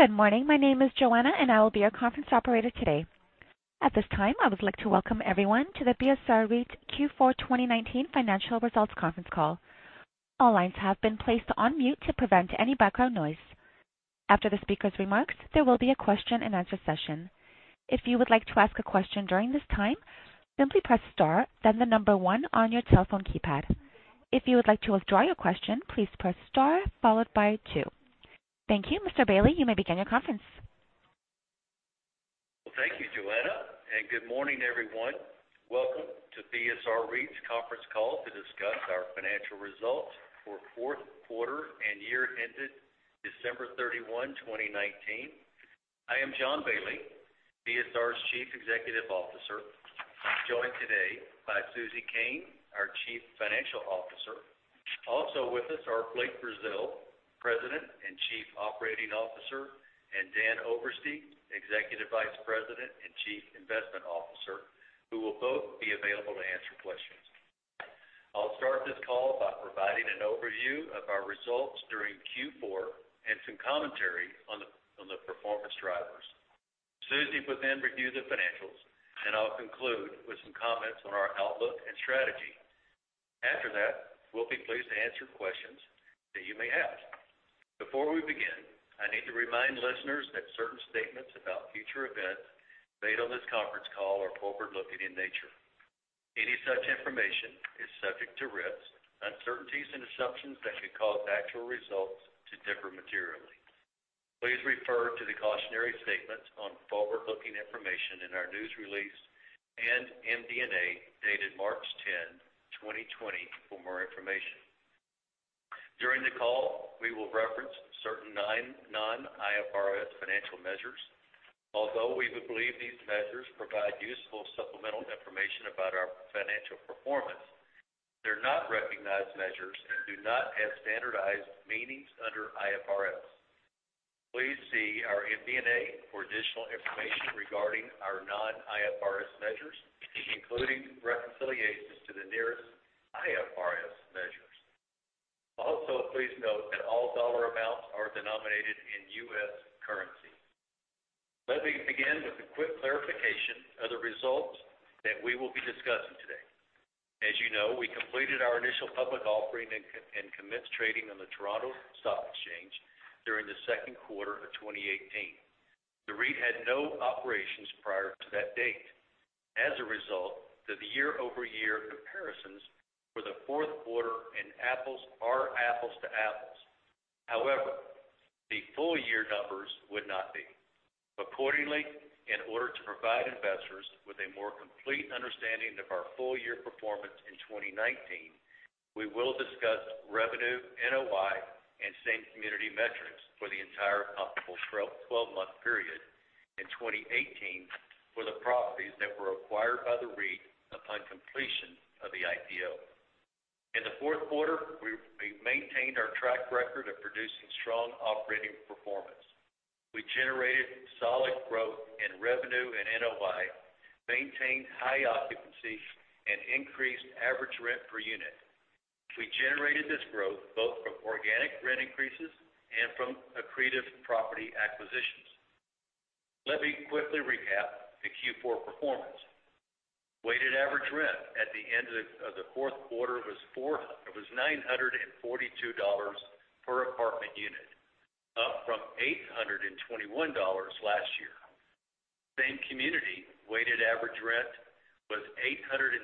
Good morning. My name is Joanna, and I will be your conference operator today. At this time, I would like to welcome everyone to the BSR REIT's Q4 2019 Financial Results Conference Call. All lines have been placed on mute to prevent any background noise. After the speaker's remarks, there will be a question and answer session. If you would like to ask a question during this time, simply press star, then the number one on your telephone keypad. If you would like to withdraw your question, please press star followed by two. Thank you. Mr. Bailey, you may begin your conference. Thank you, Joanna, and good morning, everyone. Welcome to BSR REIT's conference call to discuss our financial results for fourth quarter and year ended December 31, 2019. I am John Bailey, BSR's Chief Executive Officer. I'm joined today by Susan Koehn, our Chief Financial Officer. Also with us are Blake Brazeal, President and Chief Operating Officer, and Daniel Oberste, Executive Vice President and Chief Investment Officer, who will both be available to answer questions. I'll start this call by providing an overview of our results during Q4 and some commentary on the performance drivers. Susan will then review the financials, and I'll conclude with some comments on our outlook and strategy. After that, we'll be pleased to answer questions that you may have. Before we begin, I need to remind listeners that certain statements about future events made on this conference call are forward-looking in nature. Any such information is subject to risks, uncertainties, and assumptions that could cause actual results to differ materially. Please refer to the cautionary statements on forward-looking information in our news release and MD&A dated March 10, 2020, for more information. During the call, we will reference certain non-IFRS financial measures. Although we believe these measures provide useful supplemental information about our financial performance, they are not recognized measures and do not have standardized meanings under IFRS. Please see our MD&A for additional information regarding our non-IFRS measures, including reconciliations to the nearest IFRS measures. Also, please note that all dollar amounts are denominated in U.S. currency. Let me begin with a quick clarification of the results that we will be discussing today. As you know, we completed our initial public offering and commenced trading on the Toronto Stock Exchange during the second quarter of 2018. The REIT had no operations prior to that date. As a result, the year-over-year comparisons for the fourth quarter are apples to apples. However, the full-year numbers would not be. Accordingly, in order to provide investors with a more complete understanding of our full-year performance in 2019, we will discuss revenue, NOI, and same community metrics for the entire applicable twelve-month period in 2018 for the properties that were acquired by the REIT upon completion of the IPO. In the fourth quarter, we maintained our track record of producing strong operating performance. We generated solid growth in revenue and NOI, maintained high occupancy, and increased average rent per unit. We generated this growth both from organic rent increases and from accretive property acquisitions. Let me quickly recap the Q4 performance. Weighted average rent at the end of the fourth quarter was $942 per apartment unit, up from $821 last year. Same community weighted average rent was $864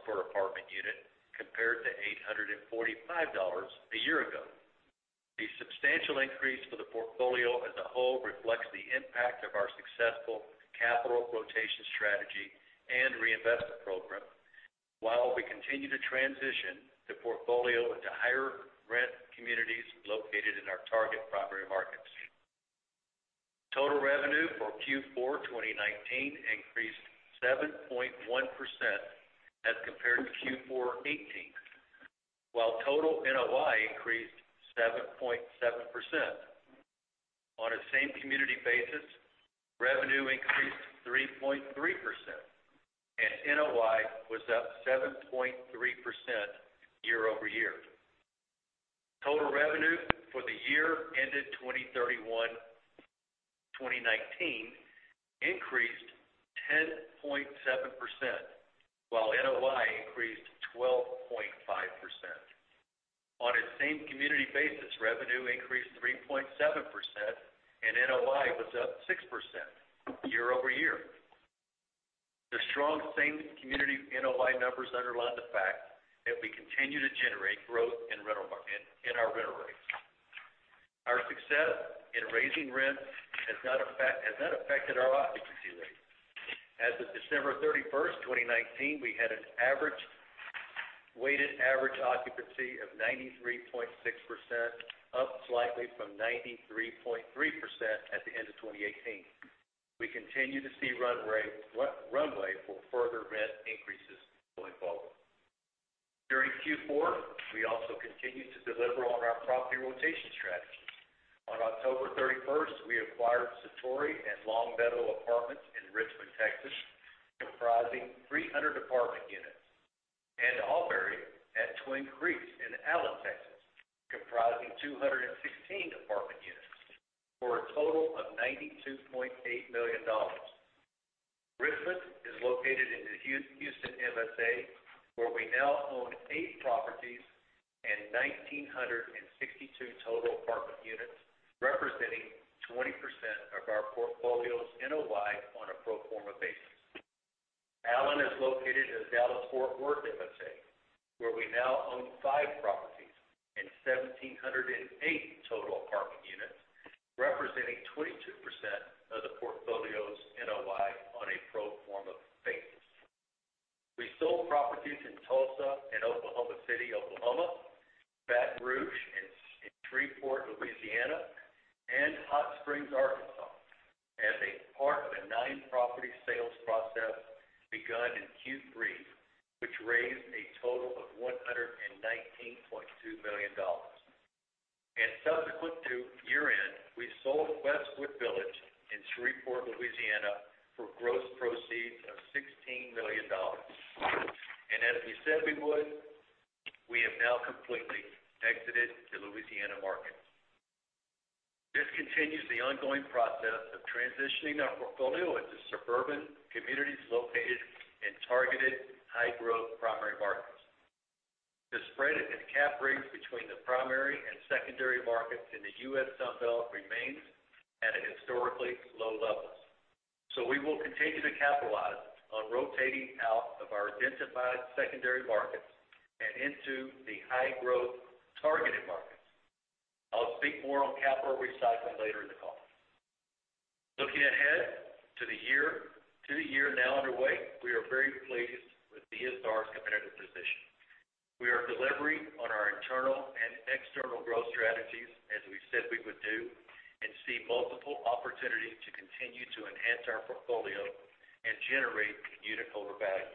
per apartment unit, compared to $845 a year ago. The substantial increase for the portfolio as a whole reflects the impact of our successful capital rotation strategy and reinvestment program, while we continue to transition the portfolio into higher rent communities located in our target property markets. Total revenue for Q4 2019 increased 7.1% as compared to Q4 2018, while total NOI increased 7.7%. On a same community basis, revenue increased 3.3%, and NOI was up 7.3% year-over-year. Total revenue for the year ended 2019 increased 10.7%, while NOI increased 12.5%. On a same community basis, revenue increased 3.7%, and NOI was up 6% year-over-year. The strong same community NOI numbers underline the fact that we continue to generate growth in our rental rates. Our success in raising rent has not affected our occupancy rate. As of December 31st, 2019, we had a weighted average occupancy of 93.6%, up slightly from 93.3% at the end of 2018. We continue to see runway for further rent increases going forward. During Q4, we also continued to deliver on our property rotation strategy. On October 31st, we acquired Satori at Long Meadow Apartments in Richmond, Texas, comprising 300 apartment units, and Auberry at Twin Creeks in Allen, Texas, comprising 216 apartment units, for a total of $92.8 million. Richmond is located in the Houston MSA, where we now own eight properties and 1,962 total apartment units, representing 20% of our portfolio's NOI on a pro forma basis. Allen is located in the Dallas-Fort Worth MSA, where we now own five properties and 1,708 total apartment units, representing 22% of the portfolio's NOI on a pro forma basis. We sold properties in Tulsa and Oklahoma City, Oklahoma, Baton Rouge and Shreveport, Louisiana, and Hot Springs, Arkansas, as a part of a nine-property sales process begun in Q3, which raised a total of $119.2 million. Subsequent to year-end, we sold Westwood Village in Shreveport, Louisiana, for gross proceeds of $16 million. As we said we would, we have now completely exited the Louisiana market. This continues the ongoing process of transitioning our portfolio into suburban communities located in targeted high-growth primary markets. The spread in cap rates between the primary and secondary markets in the U.S. Sun Belt remains at historically low levels. We will continue to capitalize on rotating out of our identified secondary markets and into the high-growth targeted markets. I'll speak more on capital recycling later in the call. Looking ahead to the year now underway, we are very pleased with BSR's competitive position. We are delivering on our internal and external growth strategies, as we said we would do, and see multiple opportunities to continue to enhance our portfolio and generate unitholder value.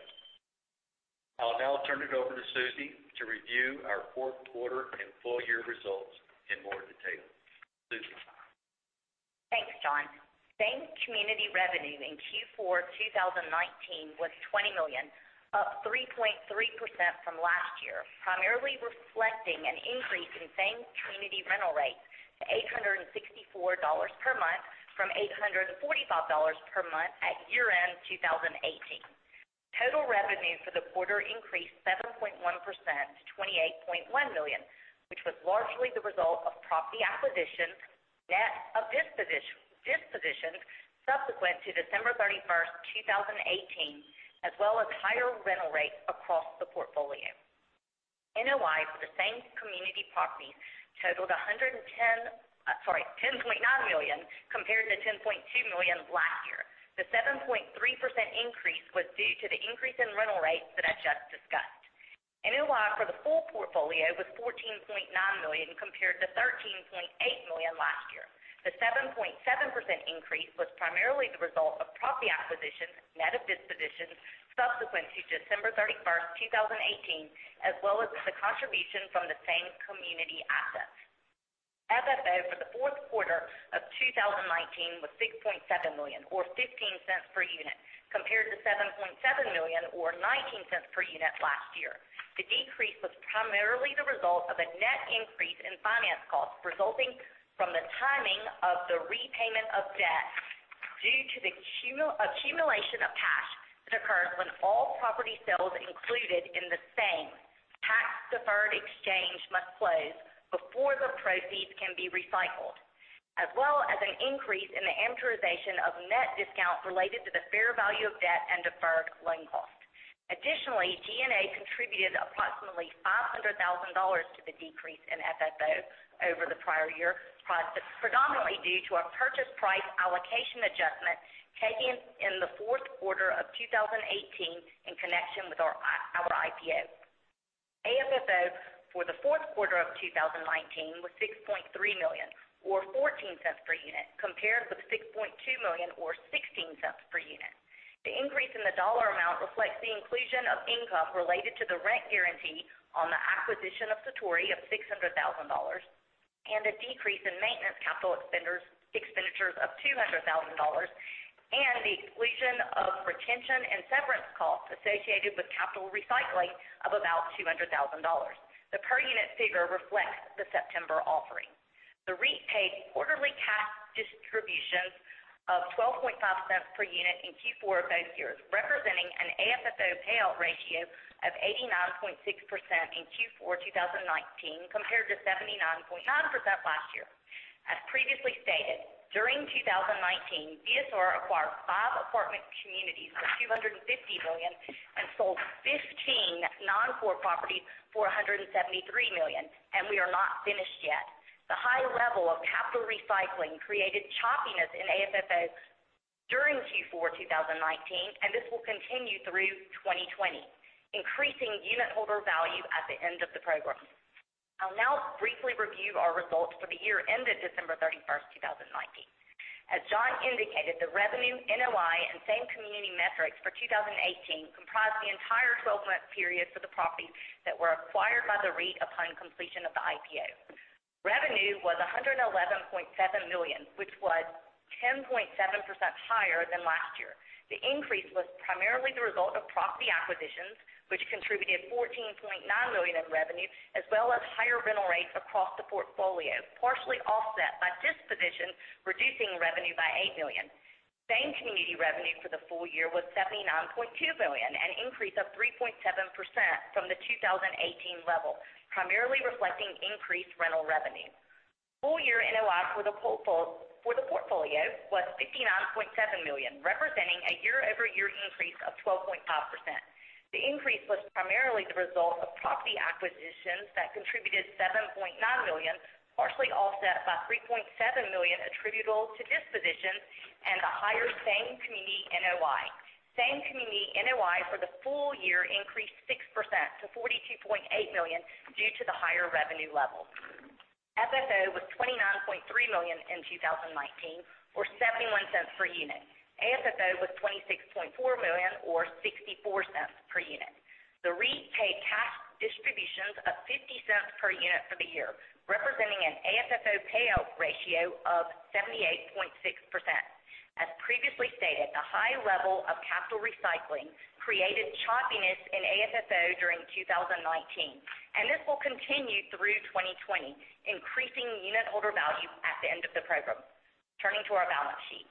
I'll now turn it over to Susan to review our fourth quarter and full-year results in more detail. Susan. Thanks, John. Same-community revenue in Q4 2019 was $20 million, up 3.3% from last year, primarily reflecting an increase in same-community rental rates to $864 per month from $845 per month at year-end 2018. Total revenue for the quarter increased 7.1% to $28.1 million, which was largely the result of property acquisitions, net of dispositions subsequent to December 31st, 2018, as well as higher rental rates across the portfolio. NOI for the same-community properties totaled $10.9 million compared to $10.2 million last year. The 7.3% increase was due to the increase in rental rates that I just discussed. NOI for the full portfolio was $14.9 million compared to $13.8 million last year. The 7.7% increase was primarily the result of property acquisitions, net of dispositions subsequent to December 31st, 2018, as well as the contribution from the same-community assets. FFO for the fourth quarter of 2019 was $6.7 million, or $0.15 per unit, compared to $7.7 million, or $0.19 per unit last year. The decrease was primarily the result of a net increase in finance costs resulting from the timing of the repayment of debt due to the accumulation of cash that occurs when all property sales included in the same tax-deferred exchange must close before the proceeds can be recycled, as well as an increase in the amortization of net discounts related to the fair value of debt and deferred loan costs. Additionally, G&A contributed approximately $500,000 to the decrease in FFO over the prior year, predominantly due to a purchase price allocation adjustment taken in the fourth quarter of 2018 in connection with our IPO. AFFO for the fourth quarter of 2019 was $6.3 million, or $0.14 per unit, compared with $6.2 million or $0.16 per unit. The increase in the dollar amount reflects the inclusion of income related to the rent guarantee on the acquisition of Satori of $600,000 and a decrease in maintenance capital expenditures of $200,000 and the exclusion of retention and severance costs associated with capital recycling of about $200,000. The per-unit figure reflects the September offering. The REIT paid quarterly cash distributions of $0.125 per unit in Q4 of both years, representing an AFFO payout ratio of 89.6% in Q4 2019 compared to 79.9% last year. As previously stated, during 2019, BSR acquired five apartment communities for $250 million and sold 15 non-core properties for $173 million. We are not finished yet. The high level of capital recycling created choppiness in AFFO during Q4 2019, and this will continue through 2020, increasing unitholder value at the end of the program. I'll now briefly review our results for the year ended December 31st, 2019. As John indicated, the revenue, NOI, and same community metrics for 2018 comprised the entire 12-month period for the properties that were acquired by the REIT upon completion of the IPO. Revenue was $111.7 million, which was 10.7% higher than last year. The increase was primarily the result of property acquisitions, which contributed $14.9 million in revenue, as well as higher rental rates across the portfolio, partially offset by dispositions reducing revenue by $8 million. Same-community revenue for the full year was $79.2 million, an increase of 3.7% from the 2018 level, primarily reflecting increased rental revenue. Full year NOI for the portfolio was $59.7 million, representing a year-over-year increase of 12.5%. The increase was primarily the result of property acquisitions that contributed $7.9 million, partially offset by $3.7 million attributable to dispositions and a higher same-community NOI. Same-community NOI for the full year increased 6% to $42.8 million due to the higher revenue level. FFO was $29.3 million in 2019, or $0.71 per unit. AFFO was $26.4 million or $0.64 per unit. The REIT paid cash distributions of $0.50 per unit for the year, representing an AFFO payout ratio of 78.6%. As previously stated, the high level of capital recycling created choppiness in AFFO during 2019, this will continue through 2020, increasing unit holder value at the end of the program. Turning to our balance sheet.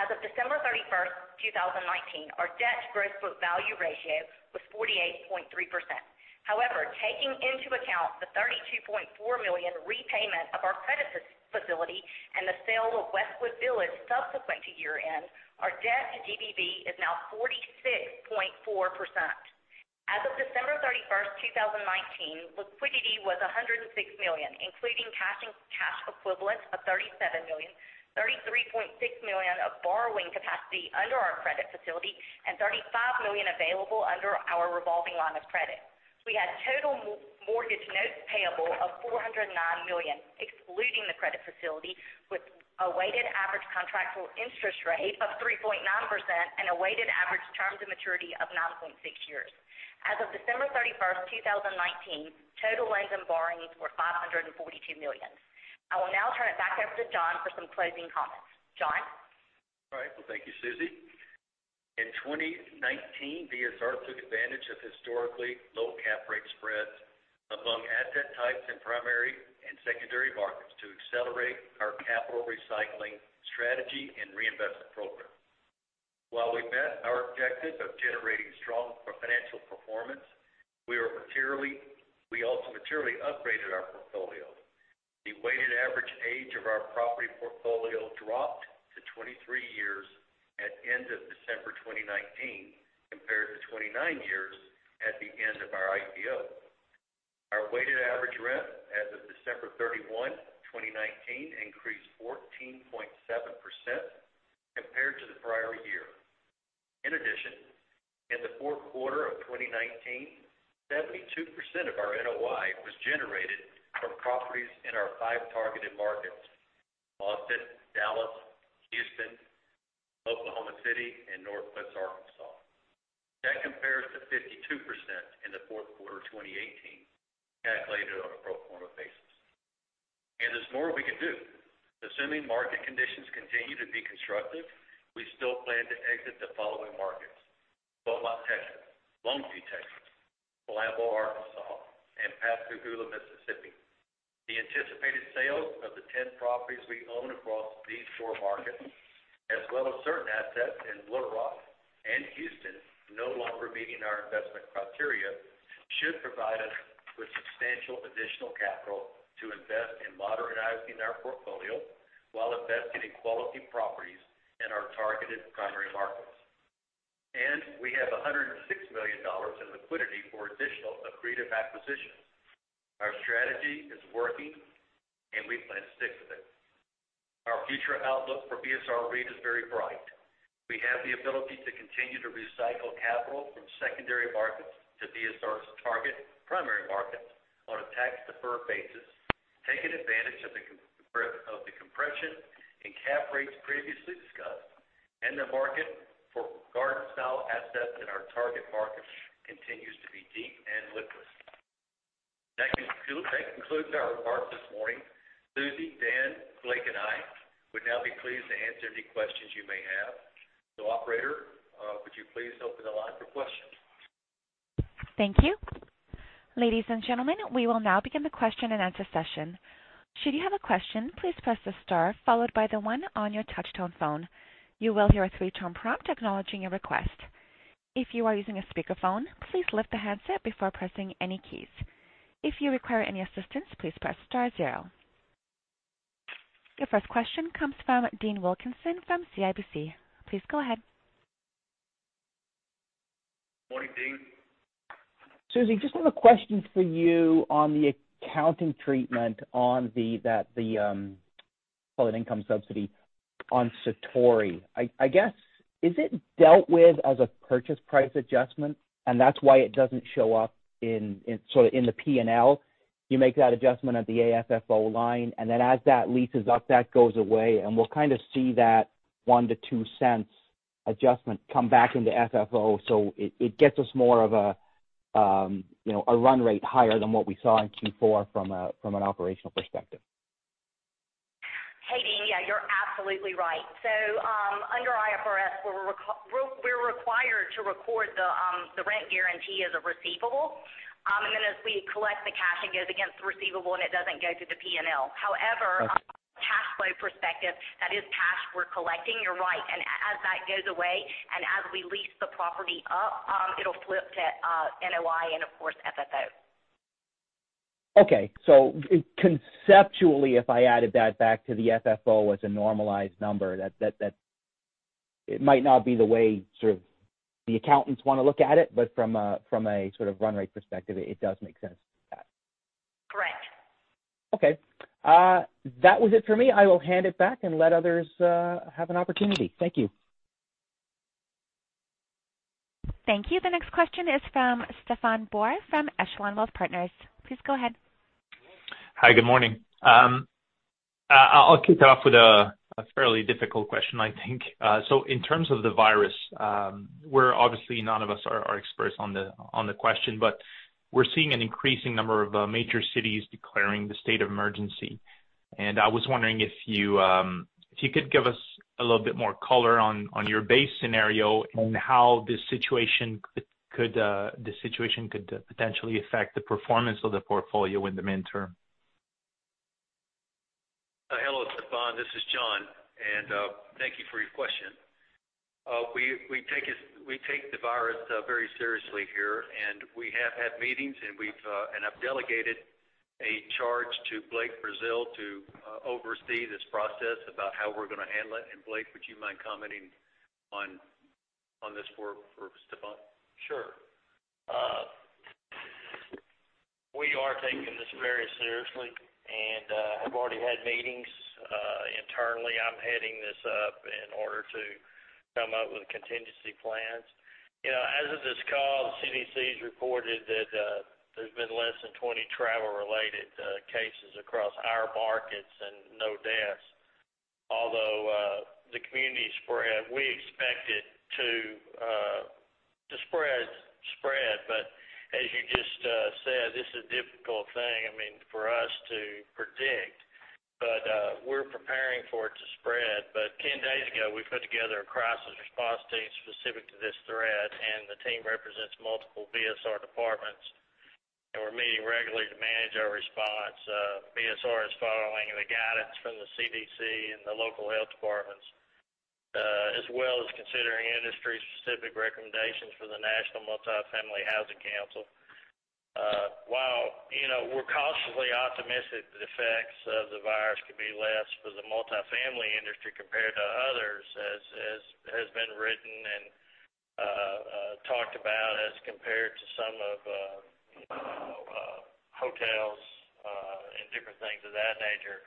As of December 31st, 2019, our debt-to-gross book value ratio was 48.3%. Taking into account the $32.4 million repayment of our credit facility and the sale of Westwood Village subsequent to year-end, our debt to GBV is now 46.4%. As of December 31st, 2019, liquidity was $106 million, including cash and cash equivalents of $37 million, $33.6 million of borrowing capacity under our credit facility, and $35 million available under our revolving line of credit. We had total mortgage notes payable of $409 million, excluding the credit facility, with a weighted average contractual interest rate of 3.9% and a weighted average terms and maturity of 9.6 years. As of December 31st, 2019, total loans and borrowings were $542 million. I will now turn it back over to John for some closing comments. John? All right. Well, thank you, Susan. In 2019, BSR took advantage of historically low cap rate spreads among asset types in primary and secondary markets to accelerate our capital recycling strategy and reinvestment program. While we met our objective of generating strong financial performance, we also materially upgraded our portfolio. The weighted average age of our property portfolio dropped to 23 years at end of December 2019, compared to 29 years at the end of our IPO. Our weighted average rent as of December 31, 2019 increased 14.7% compared to the prior year. In addition, in the fourth quarter of 2019, 72% of our NOI was generated from properties in our five targeted markets: Austin, Dallas, Houston, Oklahoma City, and Northwest Arkansas. That compares to 52% in the fourth quarter of 2018, calculated on a pro forma basis. There's more we can do. Assuming market conditions continue to be constructive, we still plan to exit the following markets: Beaumont, Texas, Longview, Texas, Blytheville, Arkansas, and Pascagoula, Mississippi. The anticipated sales of the 10 properties we own across these four markets, as well as certain assets in Little Rock and Houston no longer meeting our investment criteria, should provide us with substantial additional capital to invest in modernizing our portfolio while investing in quality properties in our targeted primary markets. We have $106 million in liquidity for additional accretive acquisitions. Our strategy is working, and we plan to stick with it. Our future outlook for BSR REIT is very bright. We have the ability to continue to recycle capital from secondary markets to BSR's target primary markets on a tax-deferred basis, taking advantage of the compression in cap rates previously discussed, and the market for garden-style assets in our target markets continues to be deep and liquid. That concludes our remarks this morning. Susan, Dan, Blake, and I would now be pleased to answer any questions you may have. Operator, would you please open the line for questions? Thank you. Ladies and gentlemen, we will now begin the question-and-answer session. Should you have a question, please press the star followed by the one on your touch tone phone. You will hear a three-tone prompt acknowledging your request. If you are using a speakerphone, please lift the handset before pressing any keys. If you require any assistance, please press star zero. Your first question comes from Dean Wilkinson from CIBC. Please go ahead. Morning, Dean. Susan, just have a question for you on the accounting treatment on the income subsidy on Satori. I guess, is it dealt with as a purchase price adjustment, and that's why it doesn't show up in the P&L? You make that adjustment at the AFFO line, and then as that leases up, that goes away, and we'll kind of see that $0.01-$0.02 adjustment come back into FFO. A run rate higher than what we saw in Q4 from an operational perspective. Hey, Dean. Yeah, you're absolutely right. Under IFRS, we're required to record the rent guarantee as a receivable. Then as we collect the cash, it goes against the receivable, and it doesn't go to the P&L. Okay. However, from a cash flow perspective, that is cash we're collecting, you're right. As that goes away, and as we lease the property up, it'll flip to NOI and, of course, FFO. Okay. Conceptually, if I added that back to the FFO as a normalized number, it might not be the way the accountants want to look at it, but from a sort of run rate perspective, it does make sense. Correct. Okay. That was it for me. I will hand it back and let others have an opportunity. Thank you. Thank you. The next question is from Stephan Boire from Echelon Wealth Partners. Please go ahead. Hi, good morning. I'll kick it off with a fairly difficult question, I think. In terms of the virus, obviously none of us are experts on the question, but we're seeing an increasing number of major cities declaring the state of emergency. I was wondering if you could give us a little bit more color on your base scenario and how this situation could potentially affect the performance of the portfolio in the midterm. Hello, Stephan, this is John. Thank you for your question. We take the virus very seriously here. We have had meetings, I've delegated a charge to Blake Brazeal to oversee this process about how we're going to handle it. Blake, would you mind commenting on this for Stephan? Sure. We are taking this very seriously and have already had meetings. Internally, I'm heading this up in order to come up with contingency plans. As of this call, the CDC's reported that there's been less than 20 travel-related cases across our markets and no deaths. Although the communities spread, we expect it to spread, but as you just said, this is a difficult thing, I mean, for us to predict, but we're preparing for it to spread. 10 days ago, we put together a crisis response team specific to this threat, and the team represents multiple BSR departments. We're meeting regularly to manage our response. BSR is following the guidance from the CDC and the local health departments, as well as considering industry-specific recommendations from the National Multifamily Housing Council. While we're cautiously optimistic that the effects of the virus could be less for the multifamily industry compared to others, as has been written and talked about as compared to some of hotels and different things of that nature,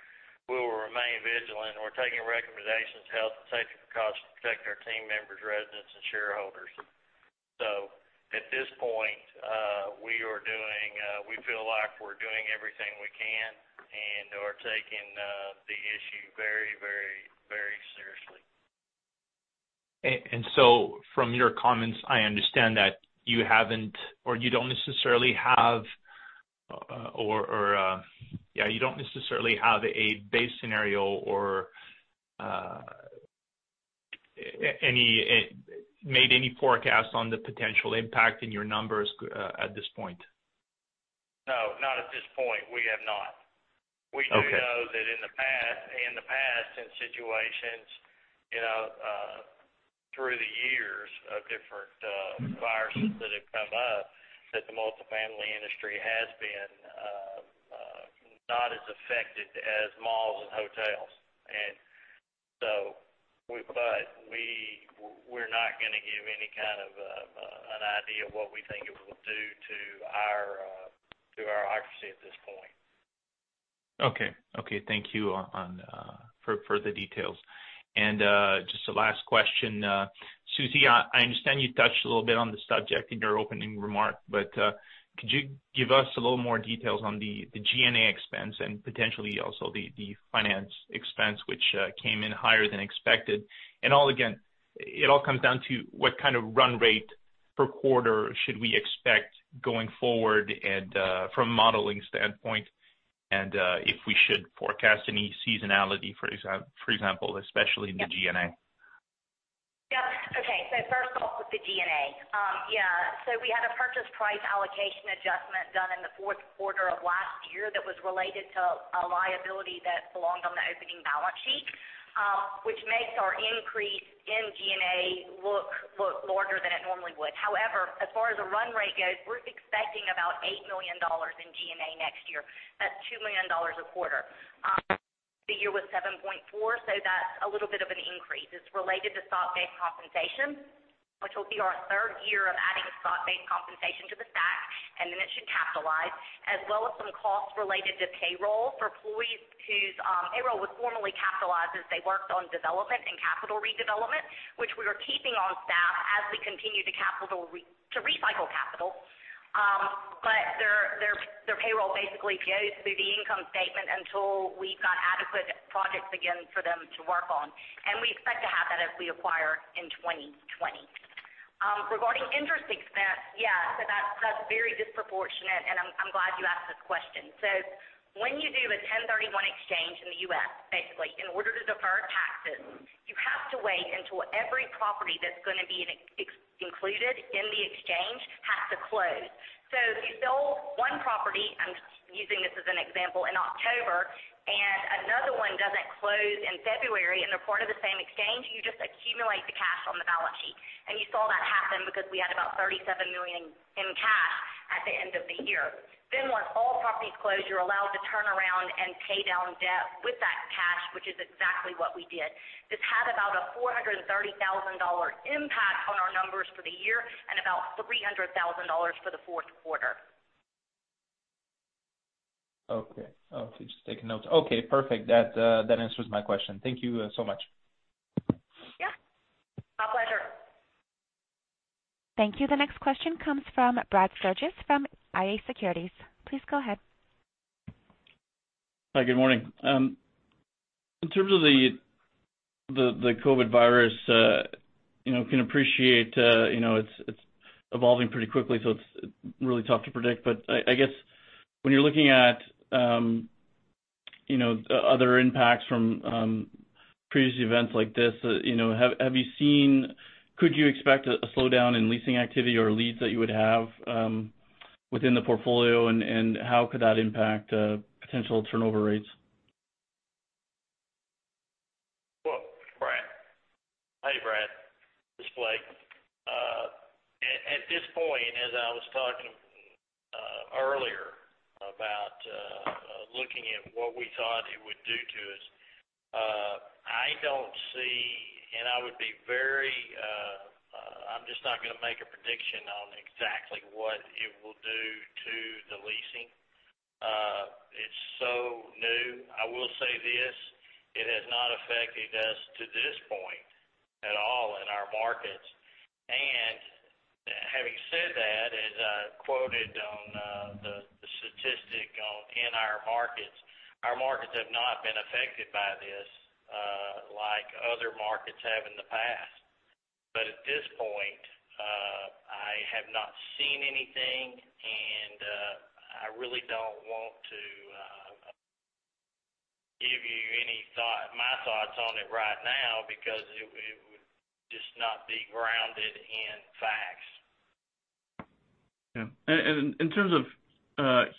we will remain vigilant, and we're taking recommendations to health and safety precautions to protect our team members, residents, and shareholders. At this point, we feel like we're doing everything we can and are taking the issue very seriously. From your comments, I understand that you haven't, or you don't necessarily have a base scenario or made any forecasts on the potential impact in your numbers at this point. No, not at this point. We have not. Okay. We do know that in the past, in situations through the years of different viruses that have come up, that the multifamily industry has been not as affected as malls and hotels. We're not going to give any kind of an idea of what we think it will do to our occupancy at this point. Okay. Thank you for the details. Just the last question. Susan, I understand you touched a little bit on the subject in your opening remark, but could you give us a little more details on the G&A expense and potentially also the finance expense, which came in higher than expected? All again, it all comes down to what kind of run rate per quarter should we expect going forward and from a modeling standpoint, and if we should forecast any seasonality, for example, especially in the G&A? First off with the G&A. We had a purchase price allocation adjustment done in the fourth quarter of last year that was related to a liability that belonged on the opening balance sheet, which makes our increase in G&A look larger than it normally would. However, as far as the run rate goes, we're expecting about $8 million in G&A next year. That's $2 million a quarter. The year was $7.4, that's a little bit of an increase. It's related to stock-based compensation, which will be our third year of adding stock-based compensation to the stack, and then it should capitalize, as well as some costs related to payroll for employees whose payroll was formerly capitalized as they worked on development and capital redevelopment, which we are keeping on staff as we continue to recycle capital. Their payroll basically goes through the income statement until we've got adequate projects again for them to work on. We expect to have that as we acquire in 2020. Regarding interest expense, yeah. That's very disproportionate, and I'm glad you asked this question. When you do a 1031 exchange in the U.S., basically, in order to defer taxes, you have to wait until every property that's going to be included in the exchange has to close. If you sold one property, I'm using this as an example, in October, and another one doesn't close in February, and they're part of the same exchange, you just accumulate the cash on the balance sheet. You saw that happen because we had about $37 million in cash at the end of the year. Once all properties close, you're allowed to turn around and pay down debt with that cash, which is exactly what we did. This had about a $430,000 impact on our numbers for the year and about $300,000 for the fourth quarter. Okay. Just taking notes. Okay, perfect. That answers my question. Thank you so much. Yeah. My pleasure. Thank you. The next question comes from Brad Sturges from IA Securities. Please go ahead. Hi, good morning. In terms of the COVID virus, can appreciate it's evolving pretty quickly, so it's really tough to predict. I guess when you're looking at other impacts from previous events like this, could you expect a slowdown in leasing activity or leads that you would have within the portfolio, and how could that impact potential turnover rates? Well, Brad. Hey, Brad. This is Blake. At this point, as I was talking earlier about looking at what we thought it would do to us, I don't see, and I'm just not going to make a prediction on exactly what it will do to the leasing. It's so new. I will say this, it has not affected us to this point at all in our markets. Having said that, as I quoted on the statistic on in our markets, our markets have not been affected by this, like other markets have in the past. At this point, I have not seen anything, and I really don't want to give you my thoughts on it right now because it would just not be grounded in facts. Yeah. In terms of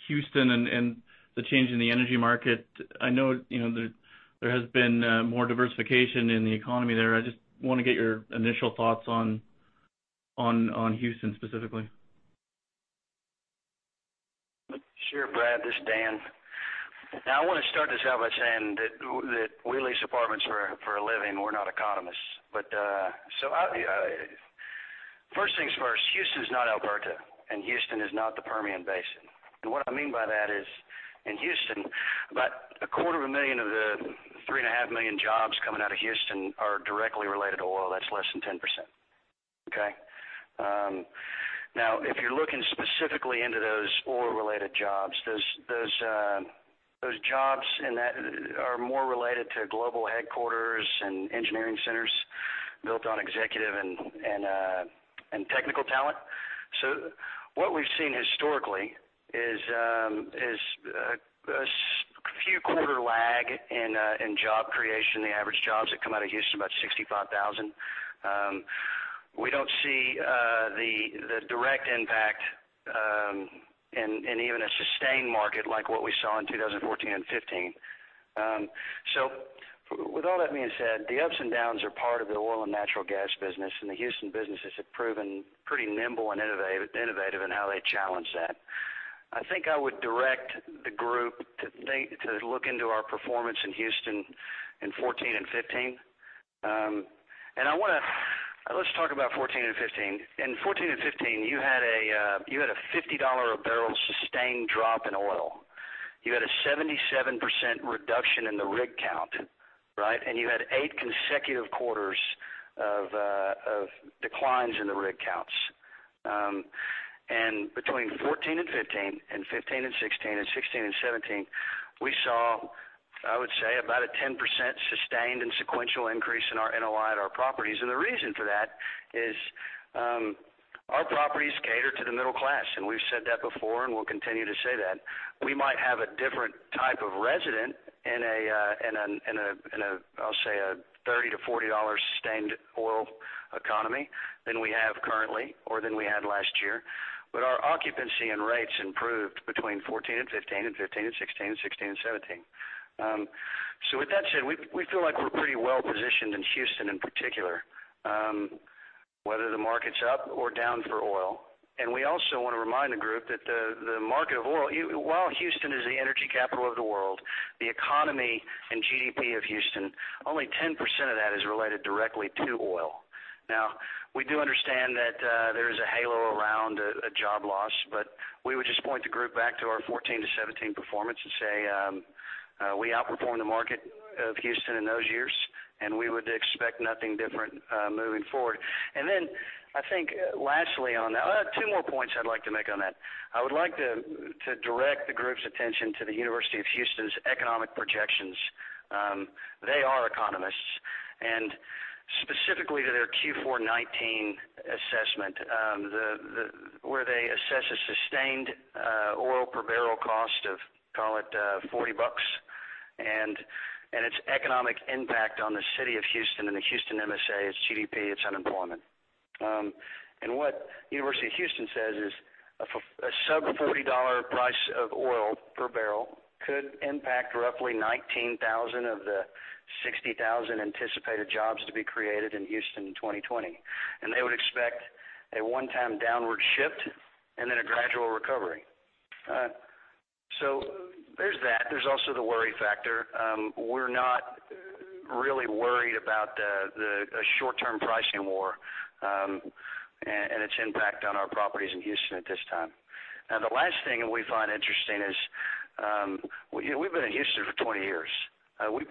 Houston and the change in the energy market, I know there has been more diversification in the economy there. I just want to get your initial thoughts on Houston specifically. Sure, Brad, this is Dan. I want to start this out by saying that we lease apartments for a living. We're not economists. First things first, Houston's not Alberta. Houston is not the Permian Basin. What I mean by that is, in Houston, about a quarter of a million of the three and a half million jobs coming out of Houston are directly related to oil. That's less than 10%. Okay? If you're looking specifically into those oil-related jobs, those jobs are more related to global headquarters and engineering centers built on executive and technical talent. What we've seen historically is a few quarter lag in job creation. The average jobs that come out of Houston, about 65,000. We don't see the direct impact in even a sustained market like what we saw in 2014 and 2015. With all that being said, the ups and downs are part of the oil and natural gas business, and the Houston businesses have proven pretty nimble and innovative in how they challenge that. I think I would direct the group to look into our performance in Houston in 2014 and 2015. Let's talk about 2014 and 2015. In 2014 and 2015, you had a $50 a barrel sustained drop in oil. You had a 77% reduction in the rig count, right? You had eight consecutive quarters of declines in the rig counts. Between 2014 and 2015, and 2015 and 2016, and 2016 and 2017, we saw, I would say, about a 10% sustained and sequential increase in our NOI at our properties. The reason for that is our properties cater to the middle class, and we've said that before, and we'll continue to say that. We might have a different type of resident in, I'll say, a $30-$40 sustained oil economy than we have currently or than we had last year. Our occupancy and rates improved between 2014 and 2015, and 2015 and 2016, and 2016 and 2017. With that said, we feel like we're pretty well-positioned in Houston, in particular, whether the market's up or down for oil. We also want to remind the group that the market of oil, while Houston is the energy capital of the world, the economy and GDP of Houston, only 10% of that is related directly to oil. We do understand that there is a halo around a job loss, but we would just point the group back to our 2014 to 2017 performance and say we outperformed the market of Houston in those years, and we would expect nothing different moving forward. Lastly on that, two more points I'd like to make on that. I would like to direct the group's attention to the University of Houston's economic projections. They are economists, and specifically to their Q4 2019 assessment, where they assess a sustained oil per barrel cost of, call it $40, and its economic impact on the city of Houston and the Houston MSA, its GDP, its unemployment. What University of Houston says is, a sub $40 price of oil per barrel could impact roughly 19,000 of the 60,000 anticipated jobs to be created in Houston in 2020. They would expect a one-time downward shift and then a gradual recovery. There's that. There's also the worry factor. We're not really worried about the short-term pricing war, and its impact on our properties in Houston at this time. The last thing that we find interesting is, we've been in Houston for 20 years. We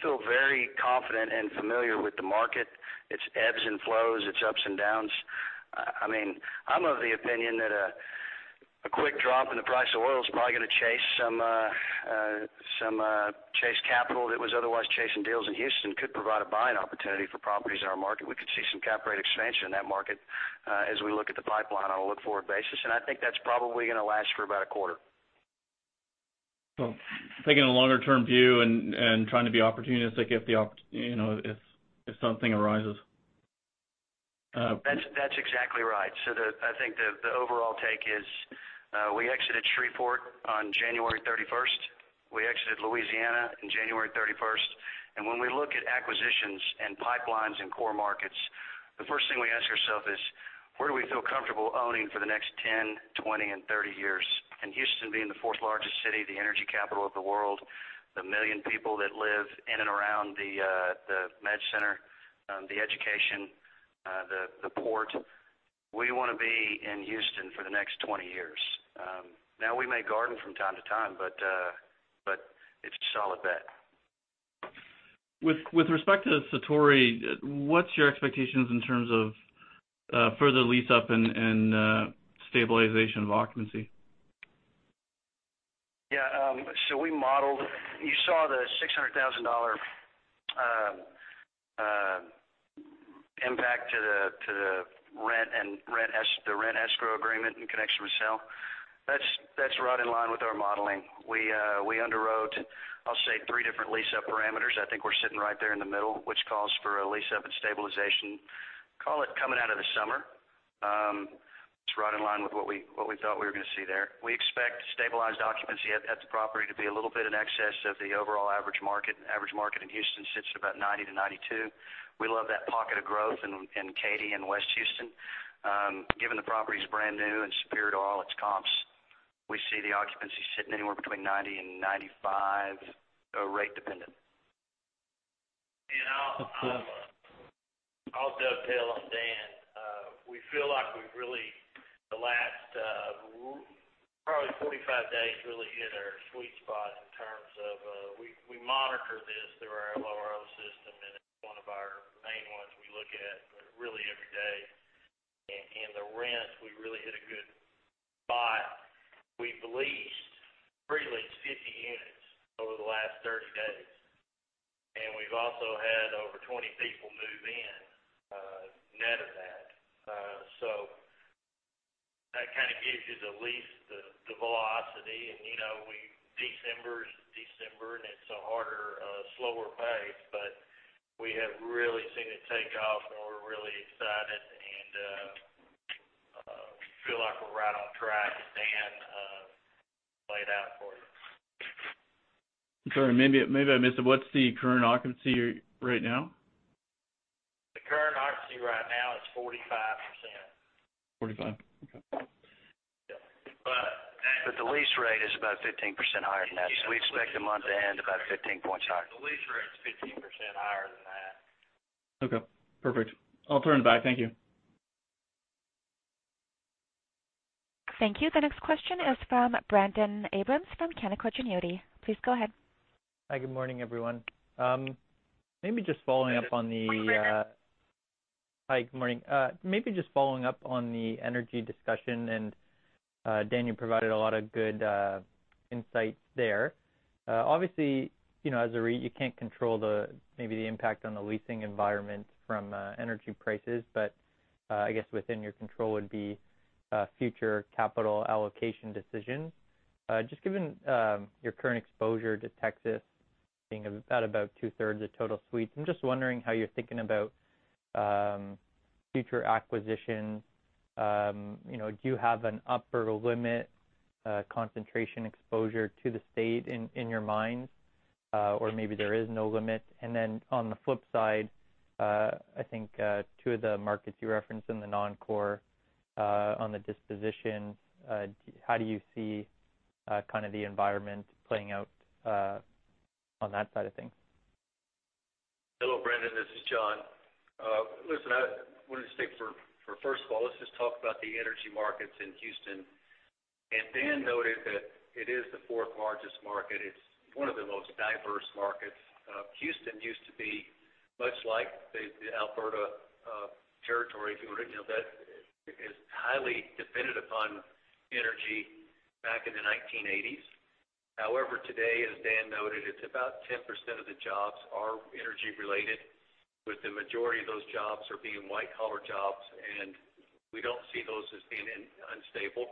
feel very confident and familiar with the market, its ebbs and flows, its ups and downs. I'm of the opinion that a quick drop in the price of oil is probably going to chase some capital that was otherwise chasing deals in Houston, could provide a buying opportunity for properties in our market. We could see some cap rate expansion in that market, as we look at the pipeline on a look-forward basis, and I think that's probably going to last for about a quarter. Taking a longer-term view and trying to be opportunistic if something arises. That's exactly right. I think the overall take is, we exited Shreveport on January 31st. We exited Louisiana in January 31st. When we look at acquisitions and pipelines in core markets, the first thing we ask ourselves is, where do we feel comfortable owning for the next 10, 20, and 30 years? Houston being the fourth largest city, the energy capital of the world, the million people that live in and around the Med Center, the education, the port, we want to be in Houston for the next 20 years. Now, we may garden from time to time, but it's a solid bet. With respect to Satori, what's your expectations in terms of further lease up and stabilization of occupancy? Yeah. We modeled You saw the $600,000 impact to the rent escrow agreement in connection with sale. That's right in line with our modeling. We underwrote, I'll say, three different lease-up parameters. I think we're sitting right there in the middle, which calls for a lease-up and stabilization, call it, coming out of the summer. It's right in line with what we thought we were going to see there. We expect stabilized occupancy at the property to be a little bit in excess of the overall average market. Average market in Houston sits at about 90%-92%. We love that pocket of growth in Katy and West Houston. Given the property's brand new and superior to all its comps, we see the occupancy sitting anywhere between 90%-95%, rate dependent. I'll dovetail on Dan. We feel like the last probably 45 days really hit our sweet spot. We monitor this through our LRO system, and it's one of our main ones we look at really every day, and the rents, we really hit a good buy. We've pre-leased 50 units over the last 30 days, and we've also had over 20 people move in net of that. That kind of gives you the lease, the velocity, and December is December, and it's a harder, slower pace, but we have really seen it take off, and we're really excited, and feel like we're right on track as Dan laid out for you. Sorry, maybe I missed it. What's the current occupancy right now? The current occupancy right now is 45%. 45? Okay. Yeah. The lease rate is about 15% higher than that. We expect them, on the end, about 15 points higher. The lease rate is 15% higher than that. Okay, perfect. I'll turn it back. Thank you. Thank you. The next question is from Brendon Abrams from Canaccord Genuity. Please go ahead. Hi, good morning, everyone. Maybe just following up on the energy discussion, Dan, you provided a lot of good insights there. Obviously, as a REIT, you can't control maybe the impact on the leasing environment from energy prices, but I guess within your control would be future capital allocation decisions. Just given your current exposure to Texas being at about 2/3 of total suites, I'm just wondering how you're thinking about future acquisitions. Do you have an upper limit concentration exposure to the state in your mind? Maybe there is no limit. On the flip side, I think two of the markets you referenced in the non-core on the disposition, how do you see the environment playing out on that side of things? Hello, Brendon, this is John. Listen, I want to state for first of all, let's just talk about the energy markets in Houston, and Dan noted that it is the fourth largest market. It's one of the most diverse markets. Houston used to be much like the Alberta territory. If you were to know that, it highly depended upon energy back in the 1980s. However, today, as Dan noted, it's about 10% of the jobs are energy-related, with the majority of those jobs being white-collar jobs, and we don't see those as being unstable.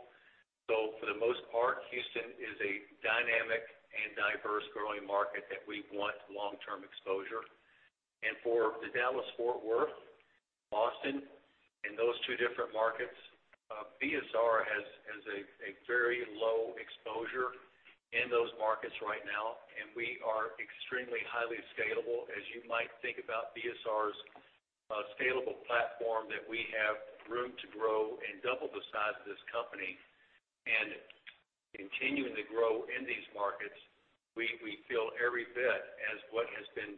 For the most part, Houston is a dynamic and diverse growing market that we want long-term exposure. For the Dallas-Fort Worth, Austin, and those two different markets, BSR has a very low exposure in those markets right now, and we are extremely highly scalable. As you might think about BSR's scalable platform, that we have room to grow and double the size of this company and continuing to grow in these markets. We feel every bit as what has been